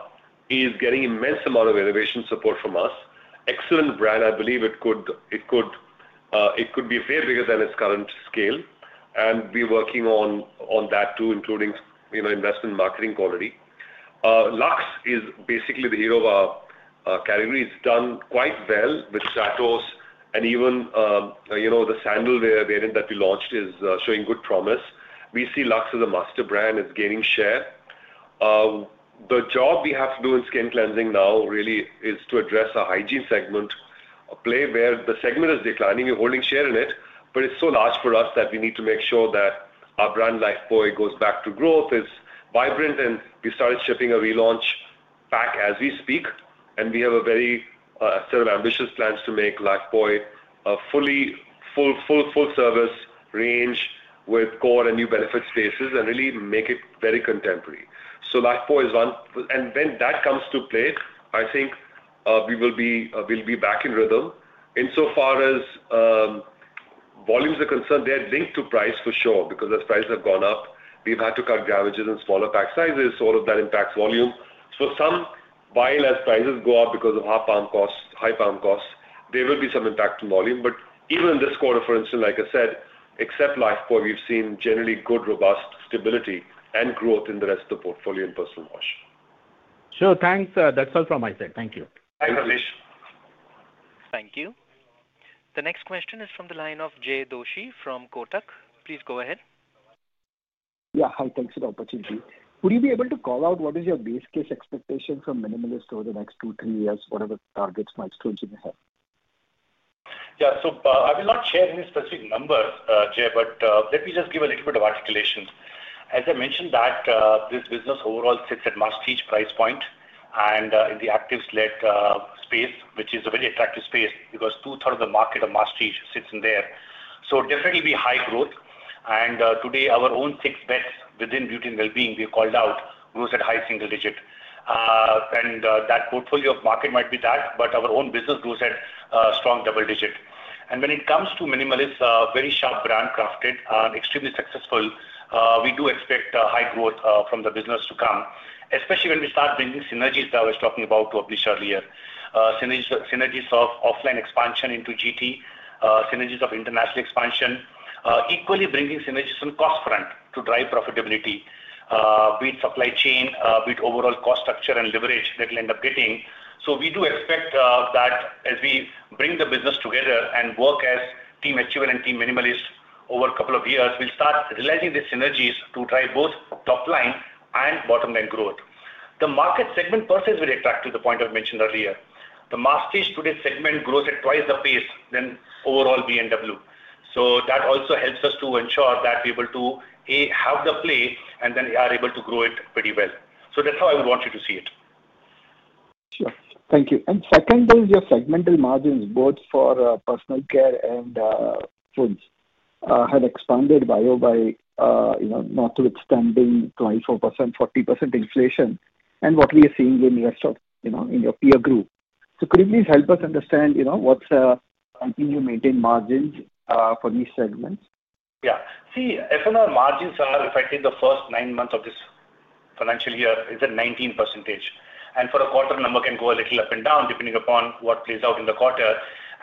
is getting immense amount of innovation support from us. Excellent brand. I believe it could be way bigger than its current scale, and we're working on that too, including investment marketing quality. Lux is basically the hero of our category. It's done quite well with Stratos and even the Sandalwear variant that we launched is showing good promise. We see Lux as a master brand. It's gaining share. The job we have to do in skin cleansing now really is to address our hygiene segment, a play where the segment is declining. We're holding share in it, but it's so large for us that we need to make sure that our brand Lifebuoy goes back to growth, is vibrant, and we started shipping a relaunch pack as we speak. We have a very sort of ambitious plans to make Lifebuoy a fully full-service range with core and new benefit spaces and really make it very contemporary. So Lifebuoy is one. And when that comes to play, I think we will be back in rhythm. Insofar as volumes are concerned, they're linked to price for sure because as prices have gone up, we've had to cut grammages and smaller pack sizes. So all of that impacts volume. For some, while as prices go up because of high palm costs, there will be some impact on volume. But even in this quarter, for instance, like I said, except Lifebuoy, we've seen generally good, robust stability and growth in the rest of the portfolio in personal wash. Sure. Thanks. That's all from my side. Thank you. Thanks, Abneesh. Thank you. The next question is from the line of Jay Doshi from Kotak. Please go ahead. Yeah. Hi. Thanks for the opportunity. Would you be able to call out what is your base case expectation for Minimalist over the next two, three years, whatever targets and milestones you may have? Yeah. So I will not share any specific numbers, Jay, but let me just give a little bit of articulation. As I mentioned that this business overall sits at masstige price point and in the actives-led space, which is a very attractive space because two-thirds of the market of masstige sits in there. So definitely be high growth. And today, our own six bets within Beauty and Wellbeing we called out grows at high single-digit. And that portfolio of market might be that, but our own business grows at strong double-digit. And when it comes to Minimalist, very sharp brand crafted and extremely successful, we do expect high growth from the business to come, especially when we start bringing synergies that I was talking about to Abneesh earlier. Synergies of offline expansion into GT, synergies of international expansion, equally bringing synergies on cost front to drive profitability with supply chain, with overall cost structure and leverage that we'll end up getting. So we do expect that as we bring the business together and work as Team HUL and Team Minimalist over a couple of years, we'll start realizing the synergies to drive both top-line and bottom-line growth. The masstige segment purchase will attract to the point I've mentioned earlier. The masstige segment today grows at twice the pace than overall B&W. So that also helps us to ensure that we're able to have the play and then are able to grow it pretty well. So that's how I would want you to see it. Sure. Thank you. And second is your segmental margins, both for personal care and foods have expanded, notwithstanding 24%, 40% inflation and what we are seeing in your peer group. So could you please help us understand what's helping you maintain margins for these segments? Yeah. See, F&R margins are effectively the first nine months of this financial year is at 19%. And for a quarter, the number can go a little up and down depending upon what plays out in the quarter.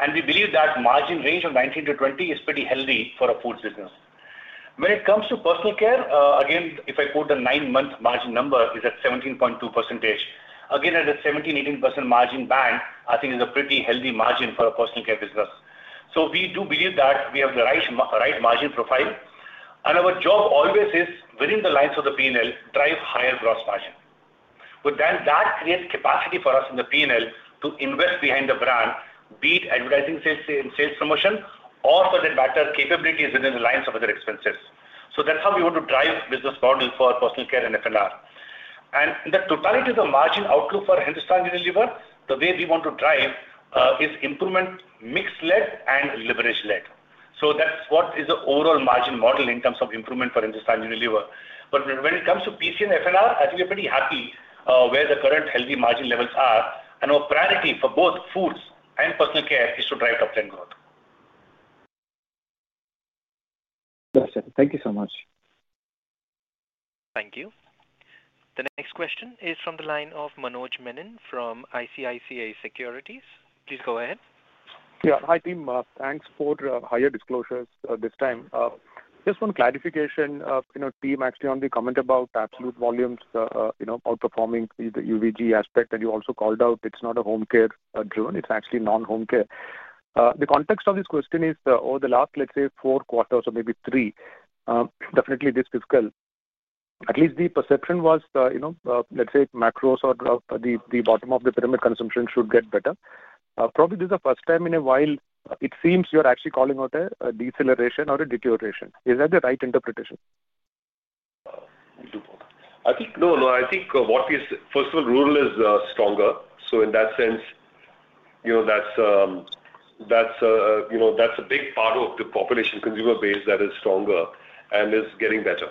And we believe that margin range of 19%-20% is pretty healthy for a foods business. When it comes to personal care, again, if I put a nine-month margin number, it's at 17.2%. Again, at a 17%-18% margin band, I think is a pretty healthy margin for a personal care business. So we do believe that we have the right margin profile. And our job always is, within the lines of the P&L, drive higher gross margin. But then that creates capacity for us in the P&L to invest behind the brand, be it advertising, sales, and sales promotion, or for that matter, capabilities within the lines of other expenses. So that's how we want to drive business model for personal care and F&R. And the totality of the margin outlook for Hindustan Unilever, the way we want to drive is improvement mixed-led and leverage-led. So that's what is the overall margin model in terms of improvement for Hindustan Unilever. But when it comes to PC and F&R, I think we're pretty happy where the current healthy margin levels are. And our priority for both foods and personal care is to drive top-line growth. Understood. Thank you so much. Thank you. The next question is from the line of Manoj Menon from ICICI Securities. Please go ahead. Yeah. Hi, team. Thanks for higher disclosures this time. Just one clarification. Team, actually, on the comment about absolute volumes outperforming the UVG aspect that you also called out, it's not a home care driven. It's actually non-home care. The context of this question is over the last, let's say, four quarters or maybe three, definitely this fiscal, at least the perception was, let's say, macros or the bottom of the pyramid consumption should get better. Probably this is the first time in a while it seems you're actually calling out a deceleration or a deterioration. Is that the right interpretation? I think no. No. I think, first of all, rural is stronger. So in that sense, that's a big part of the population consumer base that is stronger and is getting better.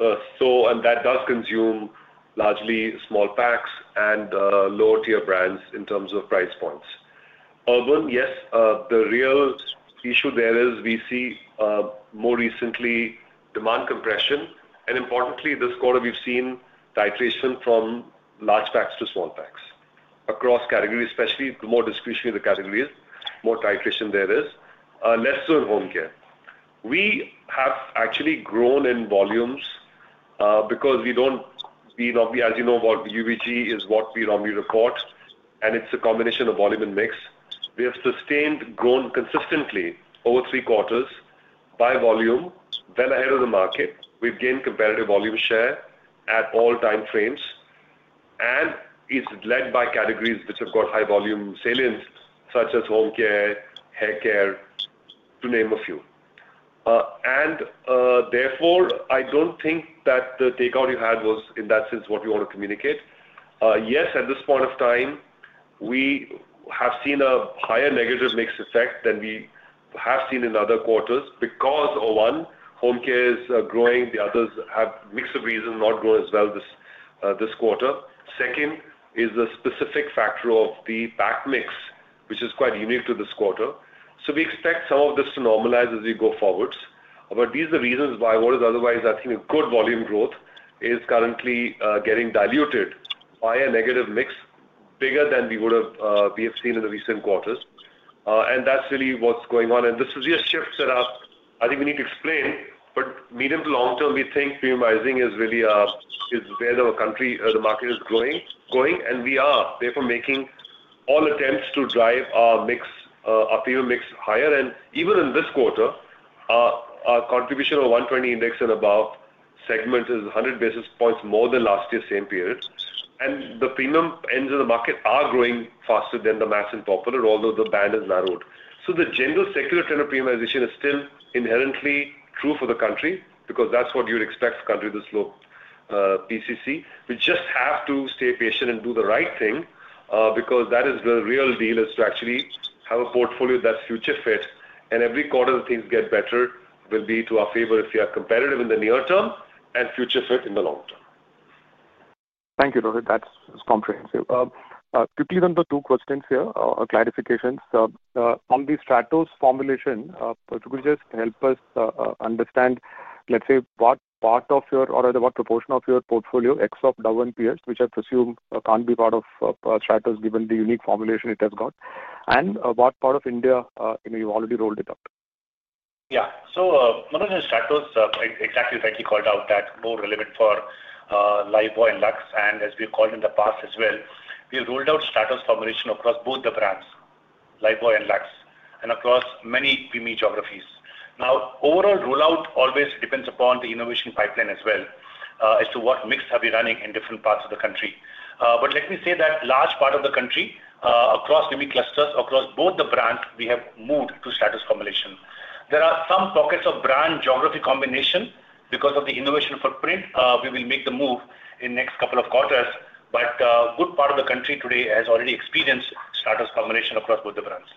And that does consume largely small packs and lower-tier brands in terms of price points. Urban, yes. The real issue there is we see more recently demand compression. And importantly, this quarter, we've seen titration from large packs to small packs across categories, especially the more discretionary the category is, more titration there is, less so in home care. We have actually grown in volumes because, as you know, UVG is what we normally report, and it's a combination of volume and mix. We have sustained growth consistently over three quarters by volume, well ahead of the market. We've gained competitive volume share at all time frames, and it's led by categories which have got high volume salience, such as home care, hair care, to name a few, and therefore, I don't think that the takeout you had was, in that sense, what you want to communicate. Yes, at this point of time, we have seen a higher negative mix effect than we have seen in other quarters because, one, home care is growing. The others have mixed reasons, not grown as well this quarter. Second is the specific factor of the pack mix, which is quite unique to this quarter, so we expect some of this to normalize as we go forward. But these are the reasons why what is otherwise, I think, a good volume growth is currently getting diluted by a negative mix bigger than we have seen in the recent quarters. And that's really what's going on. And this is just shift setup. I think we need to explain. But medium to long term, we think premiumizing is really where the market is growing. And we are therefore making all attempts to drive our mix higher. And even in this quarter, our contribution of 120 index and above segment is 100 basis points more than last year's same period. And the premium ends of the market are growing faster than the mass and popular, although the band is narrowed. So the general secular tenor premiumization is still inherently true for the country because that's what you would expect for country to slow PCC. We just have to stay patient and do the right thing because that is the real deal, is to actually have a portfolio that's future-fit. And every quarter the things get better will be to our favor if we are competitive in the near term and future-fit in the long term. Thank you, Rohit. That's comprehensive. Quickly on the two questions here, clarifications. On the Stratos formulation, could you just help us understand, let's say, what part of your or what proportion of your portfolio, except Dove and Pears, which I presume can't be part of Stratos given the unique formulation it has got? And what part of India you've already rolled it up? Yeah. So Manoj and Stratos, exactly as I called out, that's more relevant for Lifebuoy and Lux. And as we've called in the past as well, we rolled out Stratos formulation across both the brands, Lifebuoy and Lux, and across many PME geographies. Now, overall rollout always depends upon the innovation pipeline as well as to what mix have we running in different parts of the country. But let me say that large part of the country across PME clusters, across both the brands, we have moved to Stratos formulation. There are some pockets of brand geography combination because of the innovation footprint. We will make the move in the next couple of quarters. But a good part of the country today has already experienced Stratos formulation across both the brands.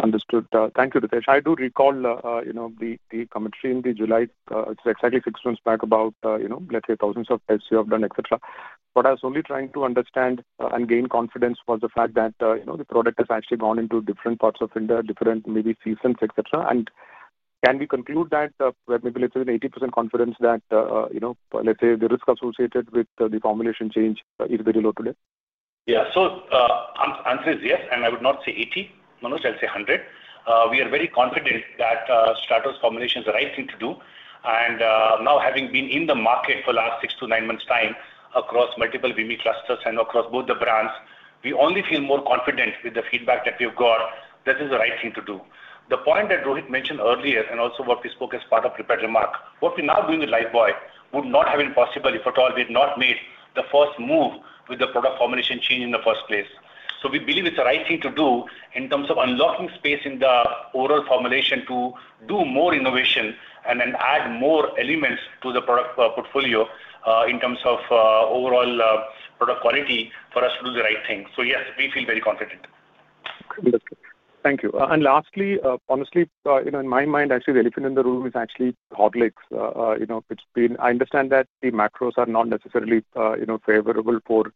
Understood. Thank you, Ritesh. I do recall the commentary in the July, it's exactly six months back about, let's say, thousands of tests you have done, etc., but I was only trying to understand and gain confidence for the fact that the product has actually gone into different parts of India, different maybe seasons, etc. And can we conclude that maybe let's say with 80% confidence that, let's say, the risk associated with the formulation change is very low today? Yeah. So the answer is yes. And I would not say 80. Manoj, I'll say 100. We are very confident that Stratos formulation is the right thing to do. And now, having been in the market for the last six to nine months' time across multiple PME clusters and across both the brands, we only feel more confident with the feedback that we've got that this is the right thing to do. The point that Rohit mentioned earlier and also what we spoke as part of prepared remark, what we're now doing with Lifebuoy would not have been possible if at all we had not made the first move with the product formulation change in the first place. So we believe it's the right thing to do in terms of unlocking space in the overall formulation to do more innovation and then add more elements to the product portfolio in terms of overall product quality for us to do the right thing. So yes, we feel very confident. Thank you. And lastly, honestly, in my mind, actually, the elephant in the room is actually Horlicks. I understand that the macros are not necessarily favorable for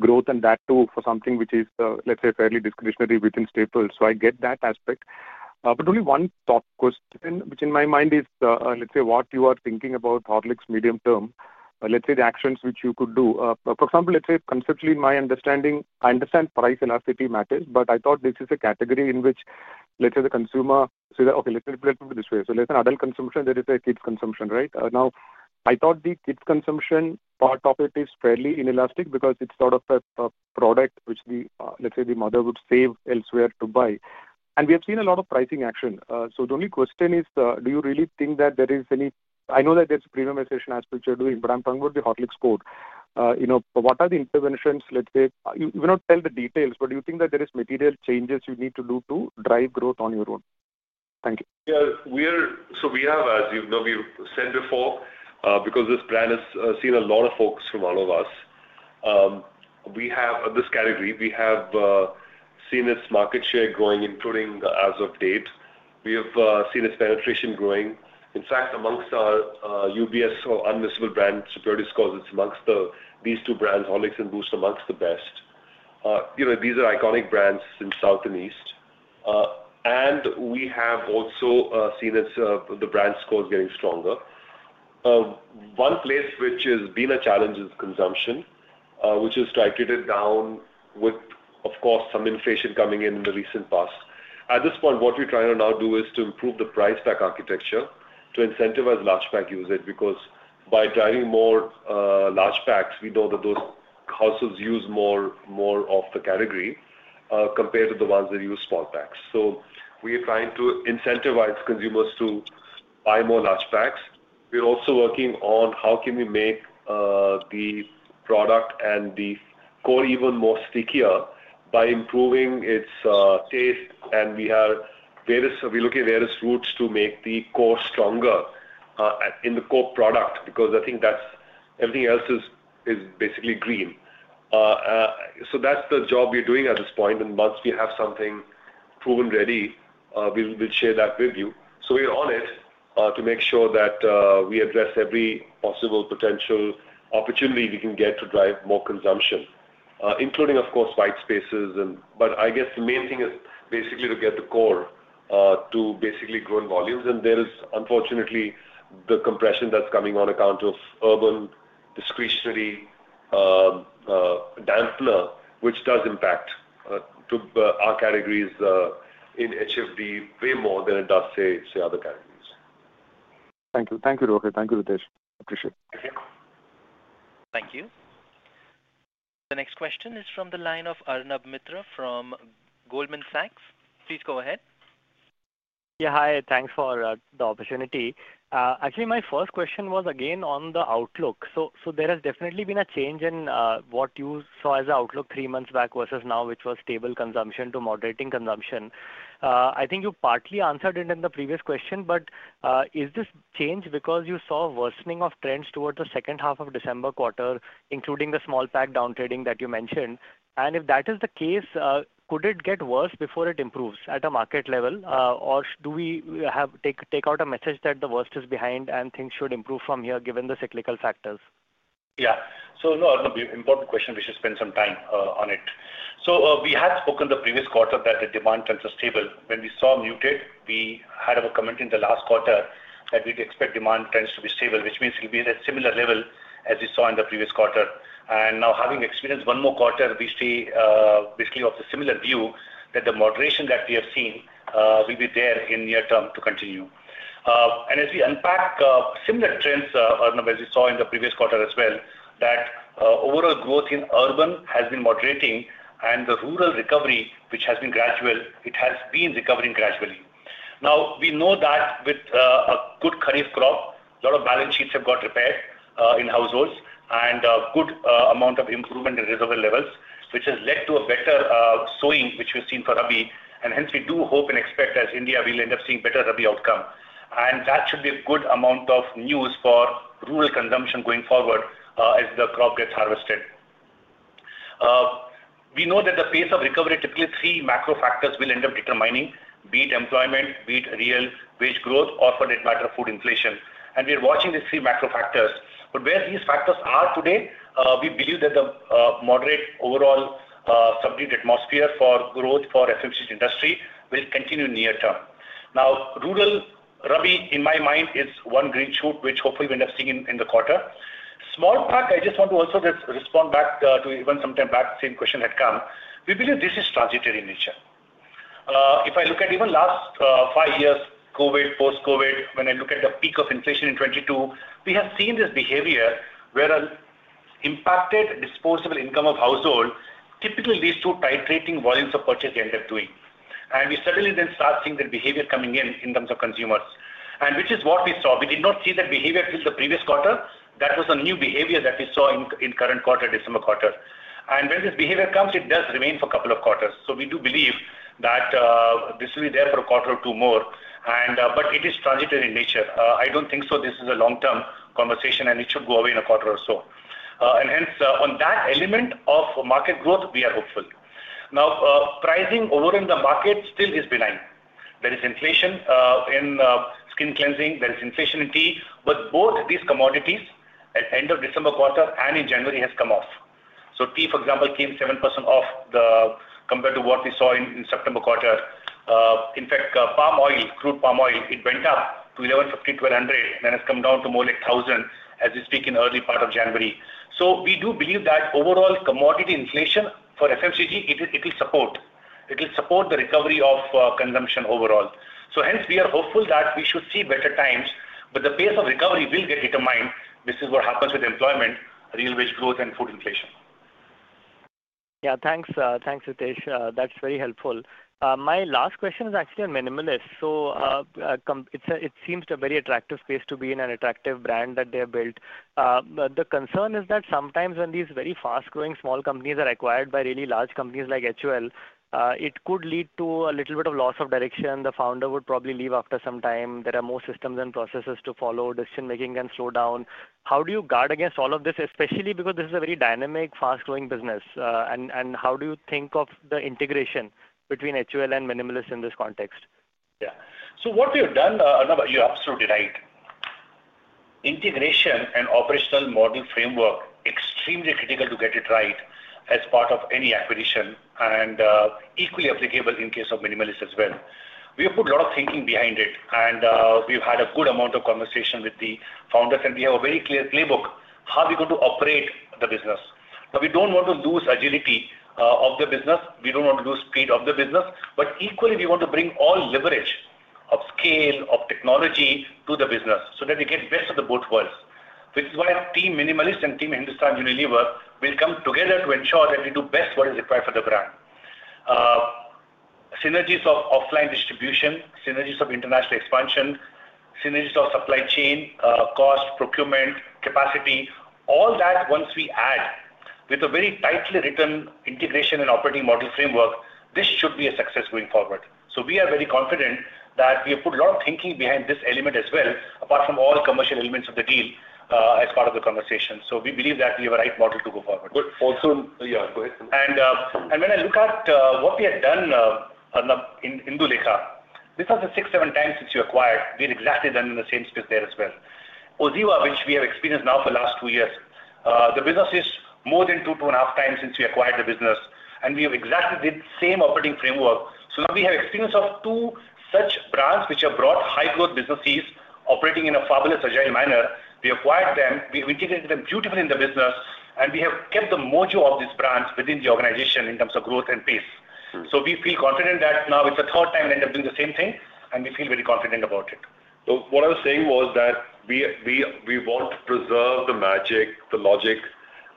growth and that too for something which is, let's say, fairly discretionary within Staples. So I get that aspect. But only one thought question, which in my mind is, let's say, what you are thinking about Horlicks medium term, let's say, the actions which you could do. For example, let's say, conceptually, in my understanding, I understand price elasticity matters, but I thought this is a category in which, let's say, the consumer, so okay, let's put it this way. So let's say adult consumption, there is a kids' consumption, right? Now, I thought the kids' consumption part of it is fairly inelastic because it's sort of a product which, let's say, the mother would save elsewhere to buy. And we have seen a lot of pricing action. So the only question is, do you really think that there is any, I know that there's a premiumization aspect you're doing, but I'm talking about the Horlicks code. What are the interventions, let's say? You will not tell the details, but do you think that there are material changes you need to do to drive growth on your own? Thank you. Yeah. So we have, as you know, we've said before, because this brand has seen a lot of focus from all of us. This category, we have seen its market share growing, including as of date. We have seen its penetration growing. In fact, amongst our UBS or Unmissable Brand Superiority scores, it's amongst these two brands, Horlicks and Boost, amongst the best. These are iconic brands in South and East. And we have also seen the brand scores getting stronger. One place which has been a challenge is consumption, which has dragged it down with, of course, some inflation coming in in the recent past. At this point, what we're trying to now do is to improve the price pack architecture to incentivize large pack users because by driving more large packs, we know that those households use more of the category compared to the ones that use small packs. So we are trying to incentivize consumers to buy more large packs. We're also working on how can we make the product and the core even more stickier by improving its taste. And we are looking at various routes to make the core stronger in the core product because I think that's everything else is basically green. So that's the job we're doing at this point. And once we have something proven ready, we'll share that with you. So we're on it to make sure that we address every possible potential opportunity we can get to drive more consumption, including, of course, white spaces. But I guess the main thing is basically to get the core to basically grow in volumes. And there is, unfortunately, the compression that's coming on account of urban discretionary dampener, which does impact our categories in HFD way more than it does, say, other categories. Thank you. Thank you, Rohit. Thank you, Ritesh. Appreciate it. Thank you. The next question is from the line of Arnab Mitra from Goldman Sachs. Please go ahead. Yeah. Hi. Thanks for the opportunity. Actually, my first question was again on the outlook. So there has definitely been a change in what you saw as the outlook three months back versus now, which was stable consumption to moderating consumption. I think you partly answered it in the previous question, but is this change because you saw worsening of trends towards the second half of December quarter, including the small pack downtrading that you mentioned? And if that is the case, could it get worse before it improves at a market level? Or do we take out a message that the worst is behind and things should improve from here given the cyclical factors? Yeah. So no, no, important question. We should spend some time on it. So we had spoken the previous quarter that the demand trends are stable. When we saw muted, we had a comment in the last quarter that we'd expect demand trends to be stable, which means it'll be at a similar level as we saw in the previous quarter. And now, having experienced one more quarter, we see basically of the similar view that the moderation that we have seen will be there in near term to continue. As we unpack similar trends, Arnab, as we saw in the previous quarter as well, that overall growth in urban has been moderating, and the rural recovery, which has been gradual, it has been recovering gradually. Now, we know that with a good kharif crop, a lot of balance sheets have got repaired in households and a good amount of improvement in reservoir levels, which has led to a better sowing, which we've seen for Rabi. Hence, we do hope and expect as in India, we'll end up seeing better Rabi outcome. That should be a good amount of news for rural consumption going forward as the crop gets harvested. We know that the pace of recovery, typically three macro factors will end up determining: be it employment, be it real wage growth, or for that matter, food inflation. We're watching these three macro factors. But where these factors are today, we believe that the moderate overall subdued atmosphere for growth for FMCG industry will continue in near term. Now, rural Rabi, in my mind, is one green shoot which hopefully we'll end up seeing in the quarter. Small pack, I just want to also respond back to even some time back, same question had come. We believe this is transitory in nature. If I look at even last five years, COVID, post-COVID, when I look at the peak of inflation in 2022, we have seen this behavior where impacted disposable income of household, typically these two titrating volumes of purchase they end up doing. And we suddenly then start seeing the behavior coming in in terms of consumers, which is what we saw. We did not see that behavior till the previous quarter. That was a new behavior that we saw in current quarter, December quarter. And when this behavior comes, it does remain for a couple of quarters. So we do believe that this will be there for a quarter or two more. But it is transitory in nature. I don't think so this is a long-term conversation, and it should go away in a quarter or so. And hence, on that element of market growth, we are hopeful. Now, pricing over in the market still is benign. There is inflation in skin cleansing. There is inflation in tea. But both these commodities at the end of December quarter and in January have come off. So tea, for example, came 7% off compared to what we saw in September quarter. In fact, palm oil, crude palm oil, it went up to 1,150-1,200, and then it's come down to more like 1,000 as we speak in early part of January. So we do believe that overall commodity inflation for FMCG, it will support. It will support the recovery of consumption overall. So hence, we are hopeful that we should see better times. But the pace of recovery will get determined. This is what happens with employment, real wage growth, and food inflation. Yeah. Thanks, Ritesh. That's very helpful. My last question is actually on Minimalist. So it seems a very attractive space to be in, an attractive brand that they have built. The concern is that sometimes when these very fast-growing small companies are acquired by really large companies like HUL, it could lead to a little bit of loss of direction. The founder would probably leave after some time. There are more systems and processes to follow. Decision-making can slow down. How do you guard against all of this, especially because this is a very dynamic, fast-growing business? And how do you think of the integration between HUL and Minimalist in this context? Yeah. So what we have done, Arnab, you're absolutely right. Integration and operational model framework, extremely critical to get it right as part of any acquisition and equally applicable in case of Minimalist as well. We have put a lot of thinking behind it. And we've had a good amount of conversation with the founders. And we have a very clear playbook how we're going to operate the business. But we don't want to lose agility of the business. We don't want to lose speed of the business. But equally, we want to bring all leverage of scale, of technology to the business so that we get the best of both worlds, which is why Team Minimalist and Team Hindustan Unilever will come together to ensure that we do best what is required for the brand: synergies of offline distribution, synergies of international expansion, synergies of supply chain, cost, procurement, capacity. All that, once we add with a very tightly written integration and operating model framework, this should be a success going forward. So we are very confident that we have put a lot of thinking behind this element as well, apart from all commercial elements of the deal as part of the conversation. So we believe that we have a right model to go forward. But also, yeah, go ahead. When I look at what we have done, Arnab, in Indulekha, this was the sixth, seventh time since we acquired. We had exactly done in the same space there as well. Oziva, which we have experienced now for the last two years, the business is more than two, two and a half times since we acquired the business. And we have exactly the same operating framework. So now we have experience of two such brands which have brought high-growth businesses operating in a fabulous agile manner. We acquired them. We have integrated them beautifully in the business. And we have kept the mojo of these brands within the organization in terms of growth and pace. So we feel confident that now it's the third time we end up doing the same thing. And we feel very confident about it. So what I was saying was that we want to preserve the magic, the logic,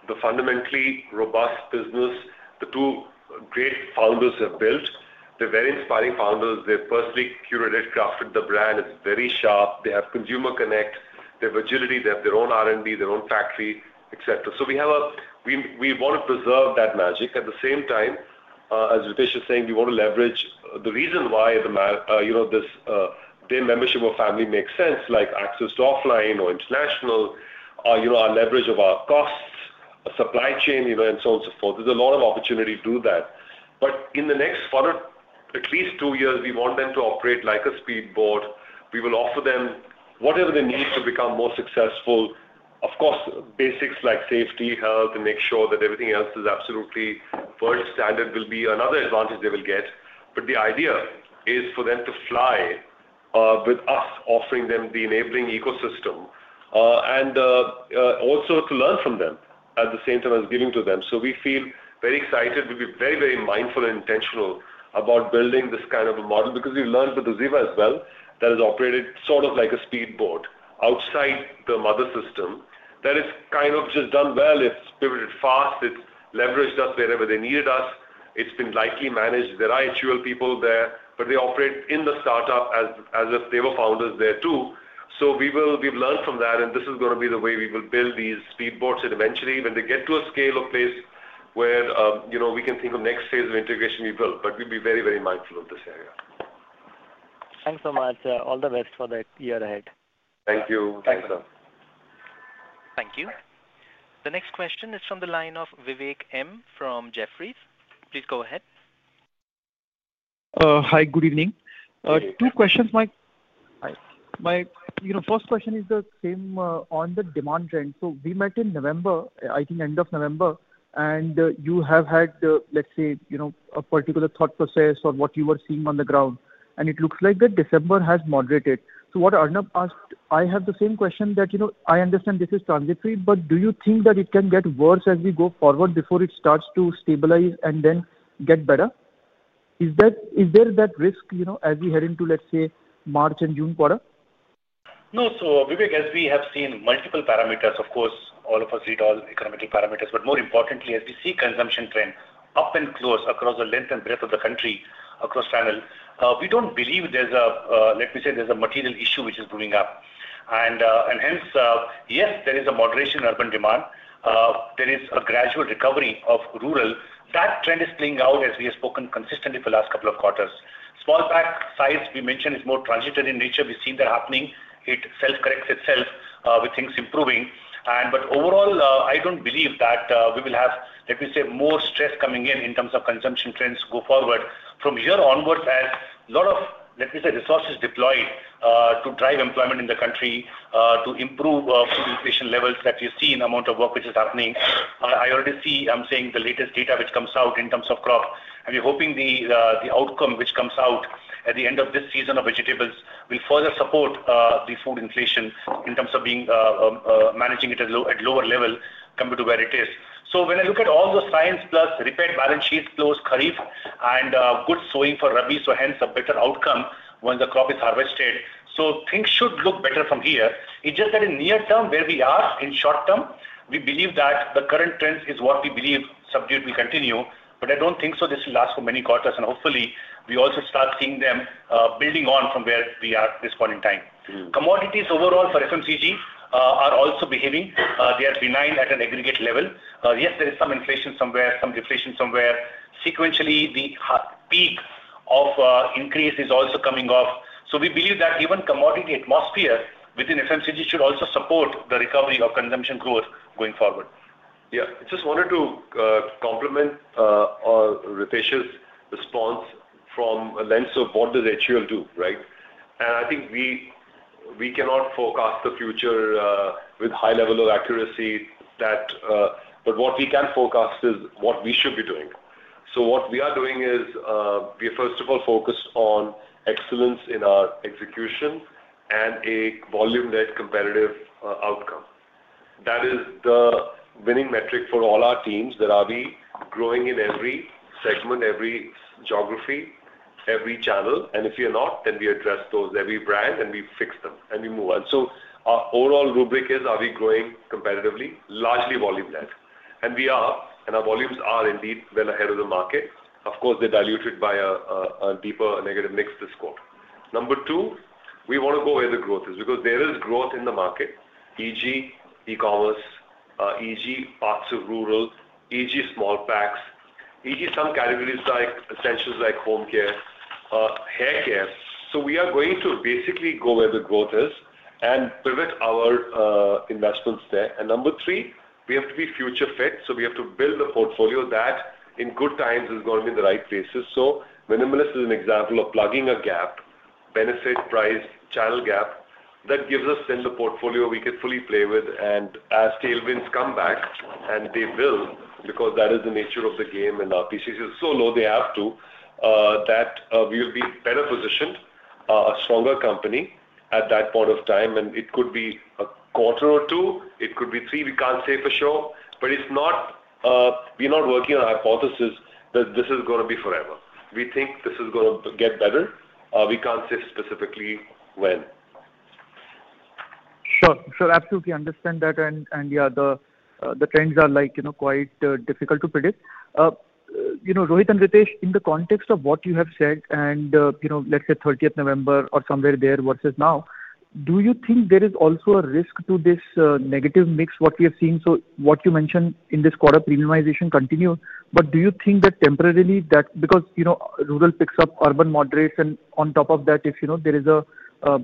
the fundamentally robust business the two great founders have built. They're very inspiring founders. They've personally curated, crafted the brand. It's very sharp. They have consumer connect. They have agility. They have their own R&D, their own factory, etc. So we want to preserve that magic. At the same time, as Ritesh was saying, we want to leverage the reason why this, their membership of the family makes sense, like access to offline or international, our leverage of our costs, supply chain, and so on and so forth. There's a lot of opportunity to do that. But in the next further at least two years, we want them to operate like a speedboat. We will offer them whatever they need to become more successful. Of course, basics like safety, health, and make sure that everything else is absolutely first standard will be another advantage they will get. But the idea is for them to fly with us offering them the enabling ecosystem and also to learn from them at the same time as giving to them. So we feel very excited. We'll be very, very mindful and intentional about building this kind of a model because we've learned with Oziva as well that has operated sort of like a speedboat outside the mother system that has kind of just done well. It's pivoted fast. It's leveraged us wherever they needed us. It's been lightly managed. There are HUL people there, but they operate in the startup as if they were founders there too. So we've learned from that. And this is going to be the way we will build these speedboats. And eventually, when they get to a scale of place where we can think of next phase of integration, we will. But we'll be very, very mindful of this area. Thanks so much. All the best for the year ahead. Thank you. Thanks, sir. Thank you. The next question is from the line of Vivek M from Jefferies. Please go ahead. Hi. Good evening. Two questions, Mike. Hi. My first question is the same on the demand trend. So we met in November, I think end of November. And you have had, let's say, a particular thought process on what you were seeing on the ground. And it looks like that December has moderated. So what Arnab asked, I have the same question that I understand this is transitory, but do you think that it can get worse as we go forward before it starts to stabilize and then get better? Is there that risk as we head into, let's say, March and June quarter? No. So Vivek, as we have seen multiple parameters, of course, all of us read all economic parameters. But more importantly, as we see consumption trend up and close across the length and breadth of the country, across channel, we don't believe there's a, let me say, there's a material issue which is brewing up. And hence, yes, there is a moderation in urban demand. There is a gradual recovery of rural. That trend is playing out as we have spoken consistently for the last couple of quarters. Small pack size we mentioned is more transitory in nature. We've seen that happening. It self-corrects itself with things improving, but overall, I don't believe that we will have, let me say, more stress coming in in terms of consumption trends go forward from here onwards as a lot of, let me say, resources deployed to drive employment in the country, to improve food inflation levels that you see in the amount of work which is happening. I already see, I'm saying, the latest data which comes out in terms of crop, and we're hoping the outcome which comes out at the end of this season of vegetables will further support the food inflation in terms of managing it at a lower level compared to where it is, so when I look at all the signs plus repaid balance sheets, close Kharif, and good sowing for Rabi, so hence a better outcome when the crop is harvested. So things should look better from here. It's just that in near term where we are in short term, we believe that the current trends is what we believe subdued will continue. But I don't think so this will last for many quarters. And hopefully, we also start seeing them building on from where we are at this point in time. Commodities overall for FMCG are also behaving. They are benign at an aggregate level. Yes, there is some inflation somewhere, some deflation somewhere. Sequentially, the peak of increase is also coming off. So we believe that even commodity atmosphere within FMCG should also support the recovery of consumption growth going forward. Yeah. I just wanted to complement Ritesh's response from a lens of what does HUL do, right? And I think we cannot forecast the future with high level of accuracy. But what we can forecast is what we should be doing. So what we are doing is we are, first of all, focused on excellence in our execution and a volume-led competitive outcome. That is the winning metric for all our teams. We are growing in every segment, every geography, every channel. And if you're not, then we address those, every brand, and we fix them, and we move on. So our overall rubric is, are we growing competitively? Largely volume-led. And we are. And our volumes are indeed well ahead of the market. Of course, they're diluted by a deeper negative mix to score. Number two, we want to go where the growth is because there is growth in the market, e.g., e-commerce, e.g., parts of rural, e.g., small packs, e.g., some categories like essentials like home care, haircare. So we are going to basically go where the growth is and pivot our investments there. And number three, we have to be future-fit. So we have to build a portfolio that in good times is going to be in the right places. So Minimalist is an example of plugging a gap, benefit-price channel gap that gives us then the portfolio we can fully play with. And as tailwinds come back, and they will because that is the nature of the game and our PCs are so low they have to, that we will be better positioned, a stronger company at that point of time. And it could be a quarter or two. It could be three. We can't say for sure. But we are not working on a hypothesis that this is going to be forever. We think this is going to get better. We can't say specifically when. Sure. Sure. Absolutely understand that. And yeah, the trends are quite difficult to predict. Rohit and Ritesh, in the context of what you have said and let's say 30th November or somewhere there versus now, do you think there is also a risk to this negative mix what we have seen? So what you mentioned in this quarter, premiumization continues. But do you think that temporarily that because rural picks up, urban moderates, and on top of that,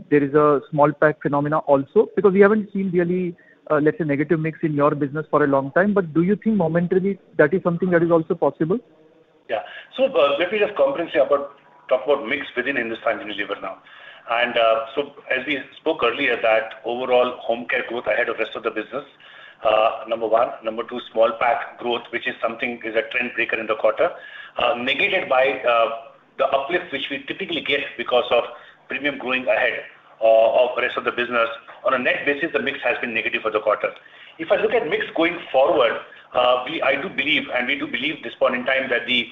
there is a small pack phenomena also? Because we haven't seen really, let's say, negative mix in your business for a long time. But do you think momentarily that is something that is also possible? Yeah. So let me just comprehensively talk about mix within Hindustan Unilever now. And so as we spoke earlier, that overall home care growth ahead of the rest of the business, number one. Number two, small pack growth, which is something that is a trend breaker in the quarter, negated by the uplift which we typically get because of premium growing ahead of the rest of the business. On a net basis, the mix has been negative for the quarter. If I look at mix going forward, I do believe, and we do believe at this point in time that the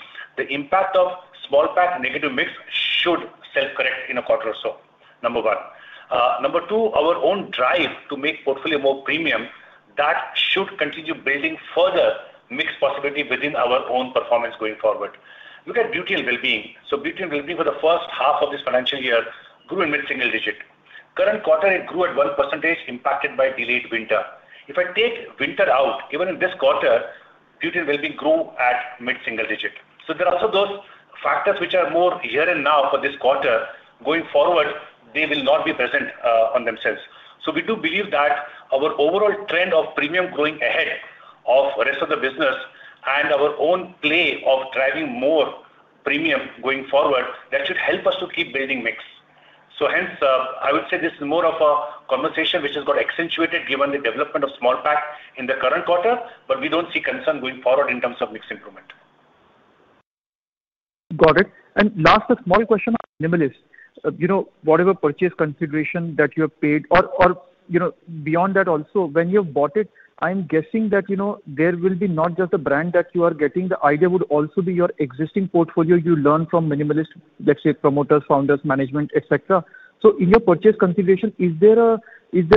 impact of small pack negative mix should self-correct in a quarter or so, number one. Number two, our own drive to make portfolio more premium, that should continue building further mix possibility within our own performance going forward. Look at Beauty and Wellbeing. So Beauty and Wellbeing for the first half of this financial year grew in mid-single digit. Current quarter, it grew at 1%, impacted by delayed winter. If I take winter out, even in this quarter, Beauty and Wellbeing grew at mid-single digit. So there are also those factors which are more here and now for this quarter. Going forward, they will not be present on themselves. So we do believe that our overall trend of premium growing ahead of the rest of the business and our own play of driving more premium going forward, that should help us to keep building mix. So hence, I would say this is more of a conversation which has got accentuated given the development of small pack in the current quarter. But we don't see concern going forward in terms of mix improvement. Got it. And last, a small question on Minimalist. Whatever purchase consideration that you have paid or beyond that also, when you have bought it, I'm guessing that there will be not just the brand that you are getting. The idea would also be your existing portfolio you learn from Minimalist, let's say, promoters, founders, management, etc. So in your purchase consideration, is there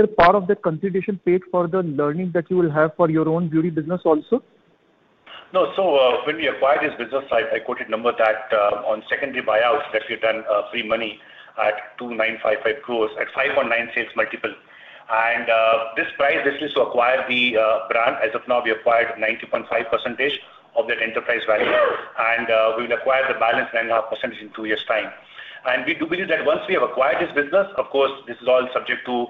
part of that consideration paid for the learning that you will have for your own beauty business also? No. So when we acquired this business, I quoted number that on secondary buyout, let's say, done for 2,955 crores at 5.96 multiple. And this price, this is to acquire the brand. As of now, we acquired 90.5% of that enterprise value. And we will acquire the balance 9.5% in two years' time. And we do believe that once we have acquired this business, of course, this is all subject to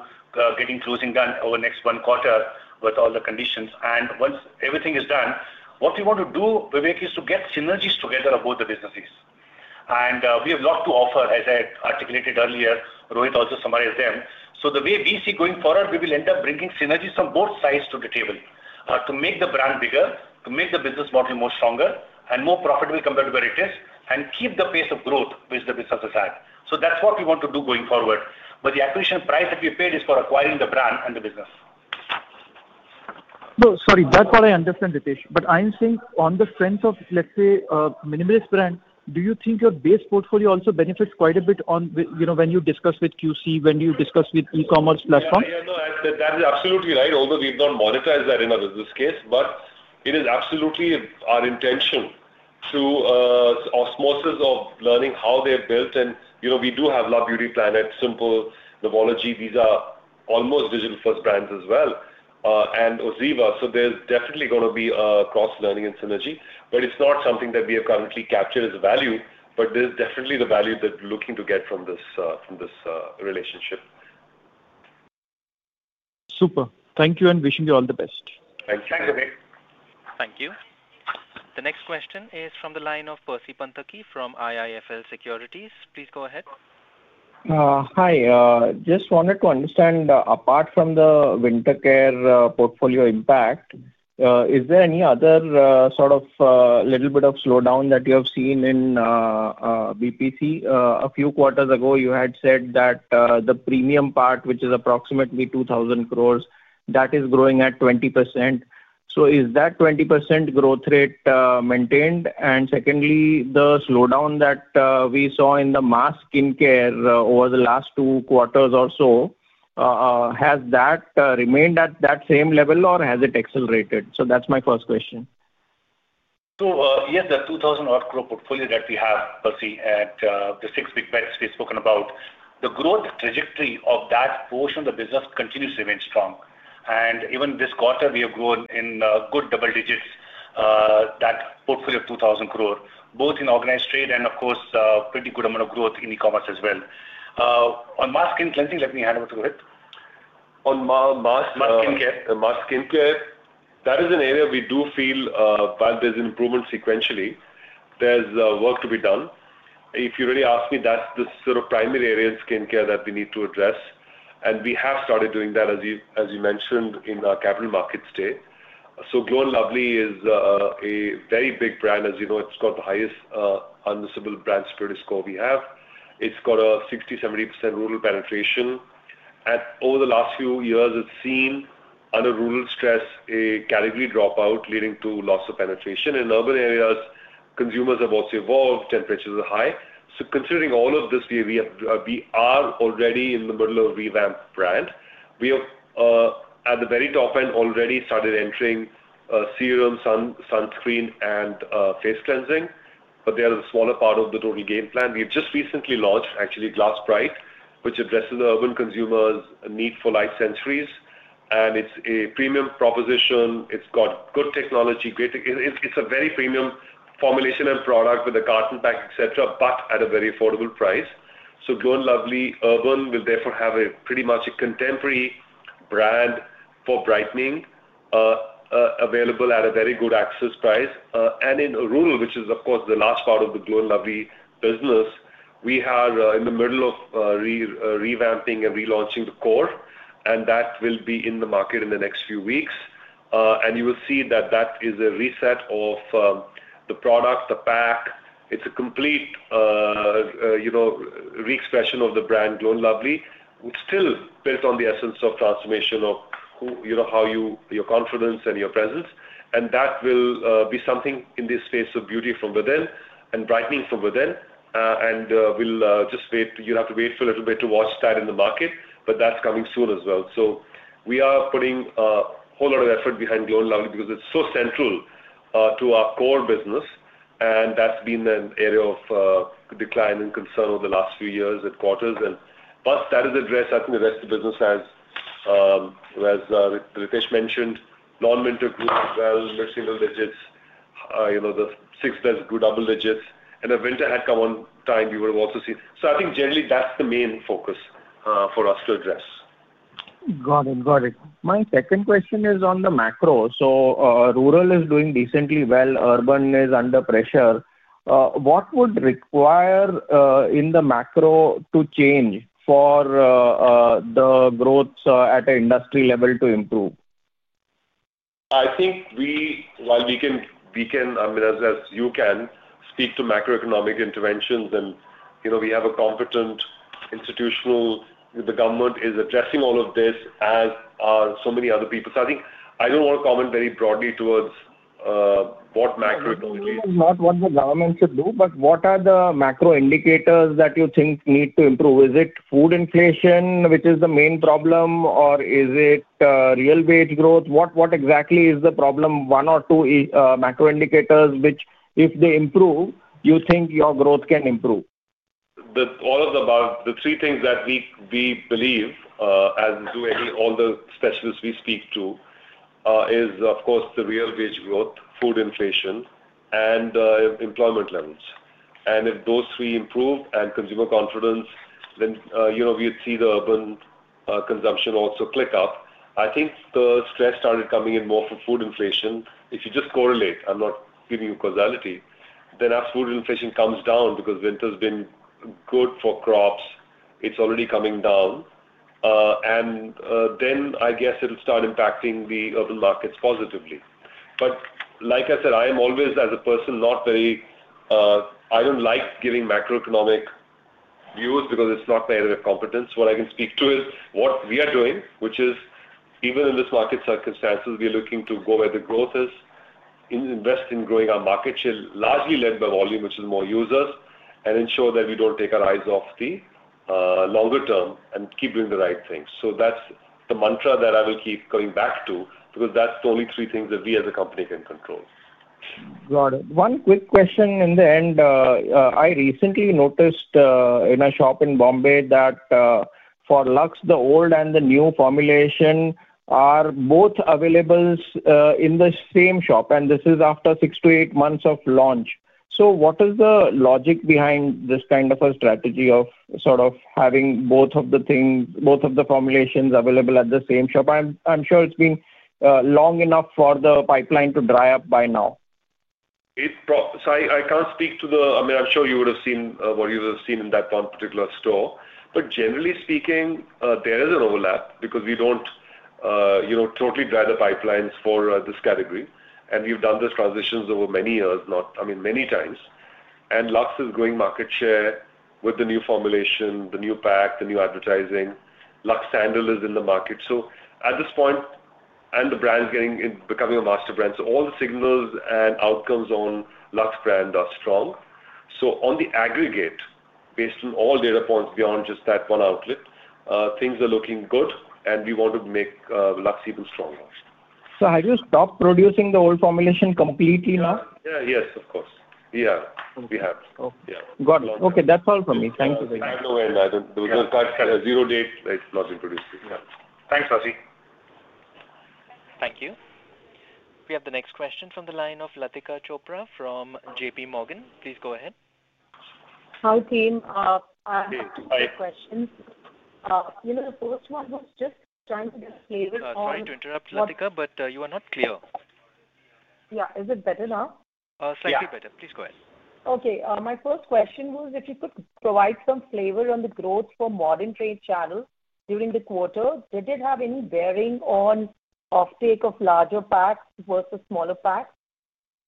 getting closing done over next one quarter with all the conditions. And once everything is done, what we want to do, Vivek, is to get synergies together about the businesses. And we have a lot to offer, as I articulated earlier. Rohit also summarized them. So the way we see going forward, we will end up bringing synergies from both sides to the table to make the brand bigger, to make the business model more stronger and more profitable compared to where it is, and keep the pace of growth which the business has had. So that's what we want to do going forward. But the acquisition price that we paid is for acquiring the brand and the business. No, sorry. That's what I understand, Ritesh. But I'm saying on the strength of, let's say, Minimalist brand, do you think your base portfolio also benefits quite a bit when you discuss with QC, when you discuss with e-commerce platforms? Yeah. No, that is absolutely right. Although we've not monetized that in our business case. But it is absolutely our intention through osmosis of learning how they're built. And we do have Love Beauty and Planet, Simple, Novology. These are almost digital-first brands as well. And Oziva. So there's definitely going to be cross-learning and synergy. But it's not something that we have currently captured as a value. But there's definitely the value that we're looking to get from this relationship. Super. Thank you and wishing you all the best. Thanks. Thanks, Vivek. Thank you. The next question is from the line of Percy Panthaki from IIFL Securities. Please go ahead. Hi. Just wanted to understand, apart from the winter care portfolio impact, is there any other sort of little bit of slowdown that you have seen in BPC? A few quarters ago, you had said that the premium part, which is approximately 2,000 crores, that is growing at 20%. So is that 20% growth rate maintained? And secondly, the slowdown that we saw in the mass skincare over the last two quarters or so, has that remained at that same level or has it accelerated? So that's my first question. So yes, the 2,000-odd crores portfolio that we have, Percy, and the six big bets we've spoken about, the growth trajectory of that portion of the business continues to remain strong. Even this quarter, we have grown in good double digits, that portfolio of 2,000 crores, both in organized trade and, of course, pretty good amount of growth in e-commerce as well. On mass and cleansing, let me hand over to Rohit. On mass and skincare? Mass and skincare, that is an area we do feel while there's an improvement sequentially, there's work to be done. If you really ask me, that's the sort of primary area in skincare that we need to address. We have started doing that, as you mentioned, in our capital markets today. So Glow & Lovely is a very big brand. As you know, it's got the highest unmissable brand security score we have. It's got a 60%-70% rural penetration. Over the last few years, it's seen under rural stress, a category dropout leading to loss of penetration. In urban areas, consumers have also evolved. Temperatures are high, so considering all of this, we are already in the middle of revamp brand. We have, at the very top end, already started entering serum, sunscreen, and face cleansing, but they are the smaller part of the total game plan. We have just recently launched, actually, Glass Bright, which addresses the urban consumer's need for light sensorials. And it's a premium proposition. It's got good technology. It's a very premium formulation and product with a carton pack, etc., but at a very affordable price, so Glow & Lovely Urban will therefore have pretty much a contemporary brand for brightening available at a very good access price, and in rural, which is, of course, the large part of the Glow & Lovely business, we are in the middle of revamping and relaunching the core. And that will be in the market in the next few weeks. And you will see that that is a reset of the product, the pack. It's a complete re-expression of the brand Glow & Lovely, still built on the essence of transformation of how your confidence and your presence. And that will be something in this space of beauty from within and brightening from within. And we'll just have to wait for a little bit to watch that in the market. But that's coming soon as well. So we are putting a whole lot of effort behind Glow & Lovely because it's so central to our core business. And that's been an area of decline and concern over the last few years and quarters. And plus that is addressed, I think. The rest of the business has, as Ritesh mentioned, non-Haircare group as well, mid-single digits, the Skin double digits. And if winter had come on time, we would have also seen. So I think generally that's the main focus for us to address. Got it. Got it. My second question is on the macro. So rural is doing decently well. Urban is under pressure. What would require in the macro to change for the growth at an industry level to improve? I think while we can, I mean, as you can speak to macroeconomic interventions and we have a competent institutional, the government is addressing all of this as are so many other people. So I think I don't want to comment very broadly towards what macroeconomically. No, not what the government should do, but what are the macro indicators that you think need to improve? Is it food inflation, which is the main problem, or is it real wage growth? What exactly is the problem? One or two macro indicators which, if they improve, you think your growth can improve. All of the above, the three things that we believe, as we do all the specialists we speak to, is, of course, the real wage growth, food inflation, and employment levels. And if those three improve and consumer confidence, then we would see the urban consumption also click up. I think the stress started coming in more from food inflation. If you just correlate, I'm not giving you causality, then as food inflation comes down because winter's been good for crops, it's already coming down, and then I guess it'll start impacting the urban markets positively, but like I said, I am always, as a person, not very, I don't like giving macroeconomic views because it's not my area of competence. What I can speak to is what we are doing, which is even in this market circumstances, we are looking to go where the growth is, invest in growing our market share, largely led by volume, which is more users, and ensure that we don't take our eyes off the longer term and keep doing the right things, so that's the mantra that I will keep coming back to because that's the only three things that we as a company can control. Got it. One quick question in the end. I recently noticed in a shop in Bombay that for Lux, the old and the new formulation are both available in the same shop. And this is after six to eight months of launch. So what is the logic behind this kind of a strategy of sort of having both of the things, both of the formulations available at the same shop? I'm sure it's been long enough for the pipeline to dry up by now. So I can't speak to the—I mean, I'm sure you would have seen what you would have seen in that one particular store. But generally speaking, there is an overlap because we don't totally dry the pipelines for this category. And we've done these transitions over many years, I mean, many times. And Lux is growing market share with the new formulation, the new pack, the new advertising. Lux Sandal is in the market. So at this point, and the brand's becoming a master brand. So all the signals and outcomes on Lux brand are strong. So on the aggregate, based on all data points beyond just that one outlet, things are looking good. And we want to make Lux even stronger. So have you stopped producing the old formulation completely now? Yeah. Yes, of course. Yeah. We have. Yeah. Got it. Okay. That's all from me. Thank you very much. There's no end. There was no cut. Zero date. It's not introduced. Thanks, Percy. Thank you. We have the next question from the line of Latika Chopra from JPMorgan. Please go ahead. Hi, team. I have a question. The first one was just trying to get flavor from— Sorry to interrupt, Latika, but you are not clear. Yeah. Is it better now? Slightly better. Please go ahead. Okay. My first question was if you could provide some flavor on the growth for modern trade channels during the quarter. Did it have any bearing on offtake of larger packs versus smaller packs?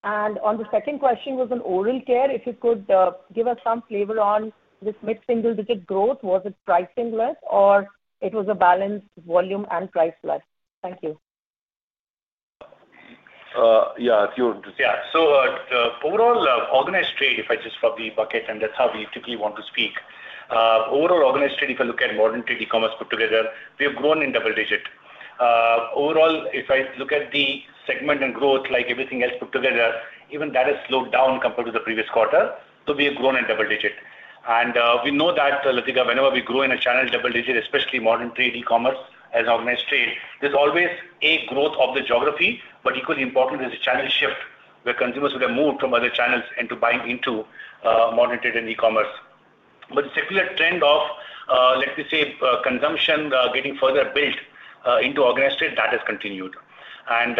And the second question was on oral care, if you could give us some flavor on this mid-single-digit growth, was it pricing-led or it was a balance of volume and price-led? Thank you. Yeah. Interesting. Yeah. So overall organized trade, if I just bucket it, and that's how we typically want to speak. Overall organized trade, if I look at modern trade e-commerce put together, we have grown in double-digit. Overall, if I look at the segment and growth, like everything else put together, even that has slowed down compared to the previous quarter. So we have grown in double-digit. We know that, Latika, whenever we grow in a channel double-digit, especially modern trade, e-commerce as organized trade, there's always a growth of the geography. But equally important is a channel shift where consumers would have moved from other channels into buying into modern trade and e-commerce. But the secular trend of, let me say, consumption getting further built into organized trade, that has continued. And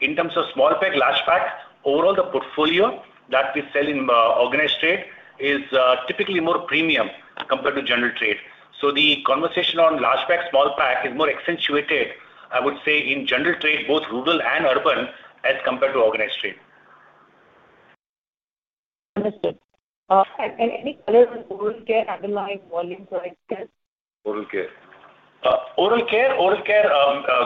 in terms of small pack, large pack, overall, the portfolio that we sell in organized trade is typically more premium compared to general trade. So the conversation on large pack, small pack is more accentuated, I would say, in general trade, both rural and urban as compared to organized trade. Understood. And any other oral care underlying volume for regular? Oral care. Oral care, oral care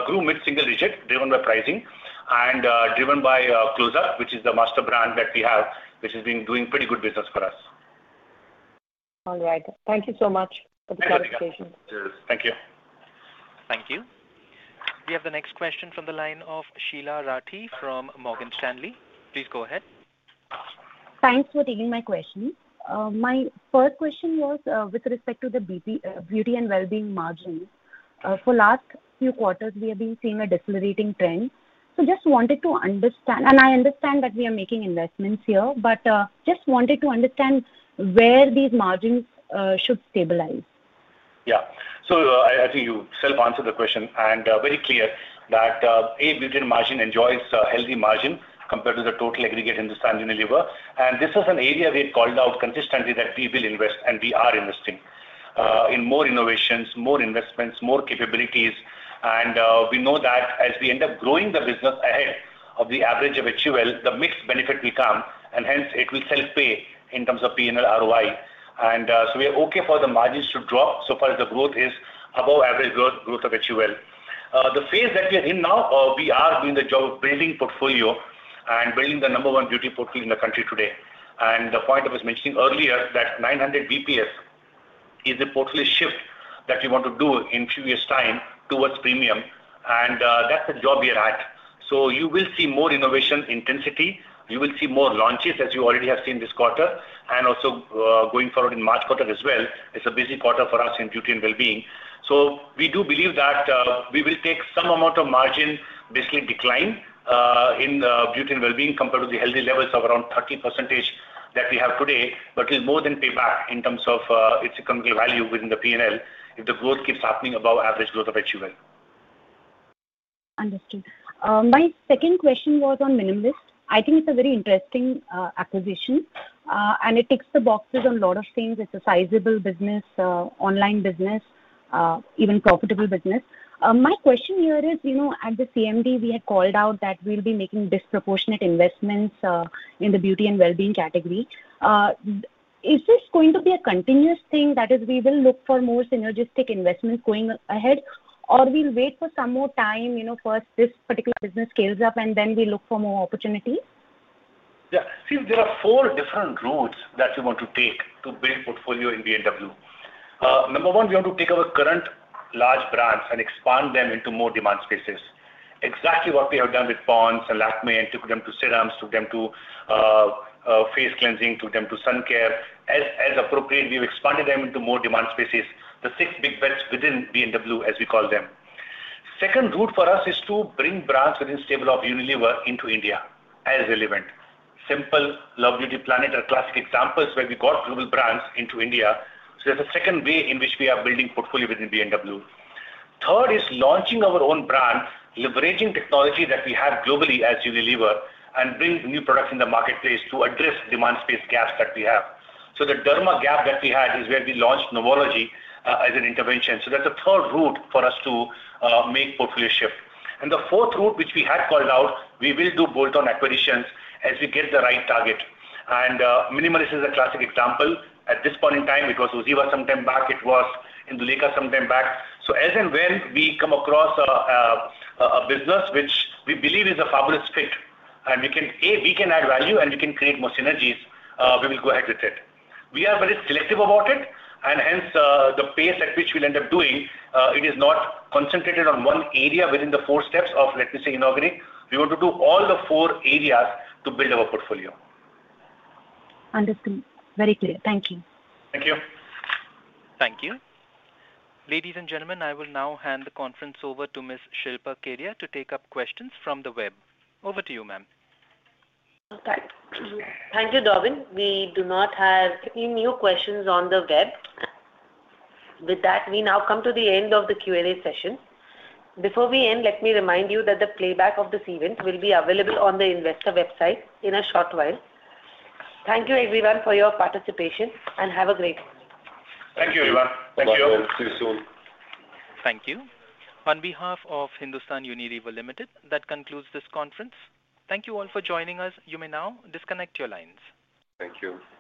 grew mid-single digit, driven by pricing and driven by Close Up, which is the master brand that we have, which has been doing pretty good business for us. All right. Thank you so much for the clarification. Thank you. Thank you. We have the next question from the line of Sheela Rathi from Morgan Stanley. Please go ahead. Thanks for taking my question. My first question was with respect to the beauty and well-being margins. For the last few quarters, we have been seeing a decelerating trend. So just wanted to understand, and I understand that we are making investments here, but just wanted to understand where these margins should stabilize. Yeah. So I think you self-answered the question and very clear that a beauty margin enjoys a healthy margin compared to the total aggregate in the BPC and the overall. This is an area we have called out consistently that we will invest, and we are investing in more innovations, more investments, more capabilities. We know that as we end up growing the business ahead of the average of HUL, the mixed benefit will come, and hence it will self-pay in terms of P&L ROI. So we are okay for the margins to drop so far as the growth is above average growth of HUL. The phase that we are in now, we are doing the job of building portfolio and building the number one beauty portfolio in the country today. The point I was mentioning earlier that 900 basis points is the portfolio shift that we want to do in a few years' time towards premium. That's the job we are at. You will see more innovation intensity. You will see more launches as you already have seen this quarter and also going forward in March quarter as well. It's a busy quarter for us in beauty and well-being. So we do believe that we will take some amount of margin basically decline in beauty and well-being compared to the healthy levels of around 30% that we have today, but it will more than pay back in terms of its economical value within the P&L if the growth keeps happening above average growth of HUL. Understood. My second question was on Minimalist. I think it's a very interesting acquisition, and it ticks the boxes on a lot of things. It's a sizable business, online business, even profitable business. My question here is, at the CMD, we had called out that we'll be making disproportionate investments in the beauty and well-being category. Is this going to be a continuous thing that we will look for more synergistic investments going ahead, or we'll wait for some more time for this particular business scales up and then we look for more opportunity? Yeah. See, there are four different routes that you want to take to build portfolio in B&W. Number one, we want to take our current large brands and expand them into more demand spaces. Exactly what we have done with Pond's and Lakmé and took them to serums, took them to face cleansing, took them to sun care. As appropriate, we've expanded them into more demand spaces, the six big bets within B&W, as we call them. Second route for us is to bring brands within the stable of Unilever into India as relevant. Simple, Love Beauty and Planet are classic examples where we got global brands into India. So that's the second way in which we are building portfolio within B&W. Third is launching our own brand, leveraging technology that we have globally as Unilever and bring new products in the marketplace to address demand space gaps that we have. So the derma gap that we had is where we launched Novology as an intervention. So that's the third route for us to make portfolio shift. And the fourth route, which we had called out, we will do bolt-on acquisitions as we get the right target. And Minimalist is a classic example. At this point in time, it was Oziva some time back. It was Indulekha some time back. So as and when we come across a business which we believe is a fabulous fit and we can add value and we can create more synergies, we will go ahead with it. We are very selective about it, and hence the pace at which we'll end up doing it is not concentrated on one area within the four steps of, let me say, inaugurating. We want to do all the four areas to build our portfolio. Understood. Very clear. Thank you. Thank you. Thank you. Ladies and gentlemen, I will now hand the conference over to Ms. Shilpa Kedia to take up questions from the web. Over to you, ma'am. Thank you, Dhawan. We do not have any new questions on the web. With that, we now come to the end of the Q&A session. Before we end, let me remind you that the playback of this event will be available on the investor website in a short while. Thank you, everyone, for your participation and have a great day. Thank you, everyone. Thank you. See you soon. Thank you. On behalf of Hindustan Unilever Limited, that concludes this conference. Thank you all for joining us. You may now disconnect your lines. Thank you.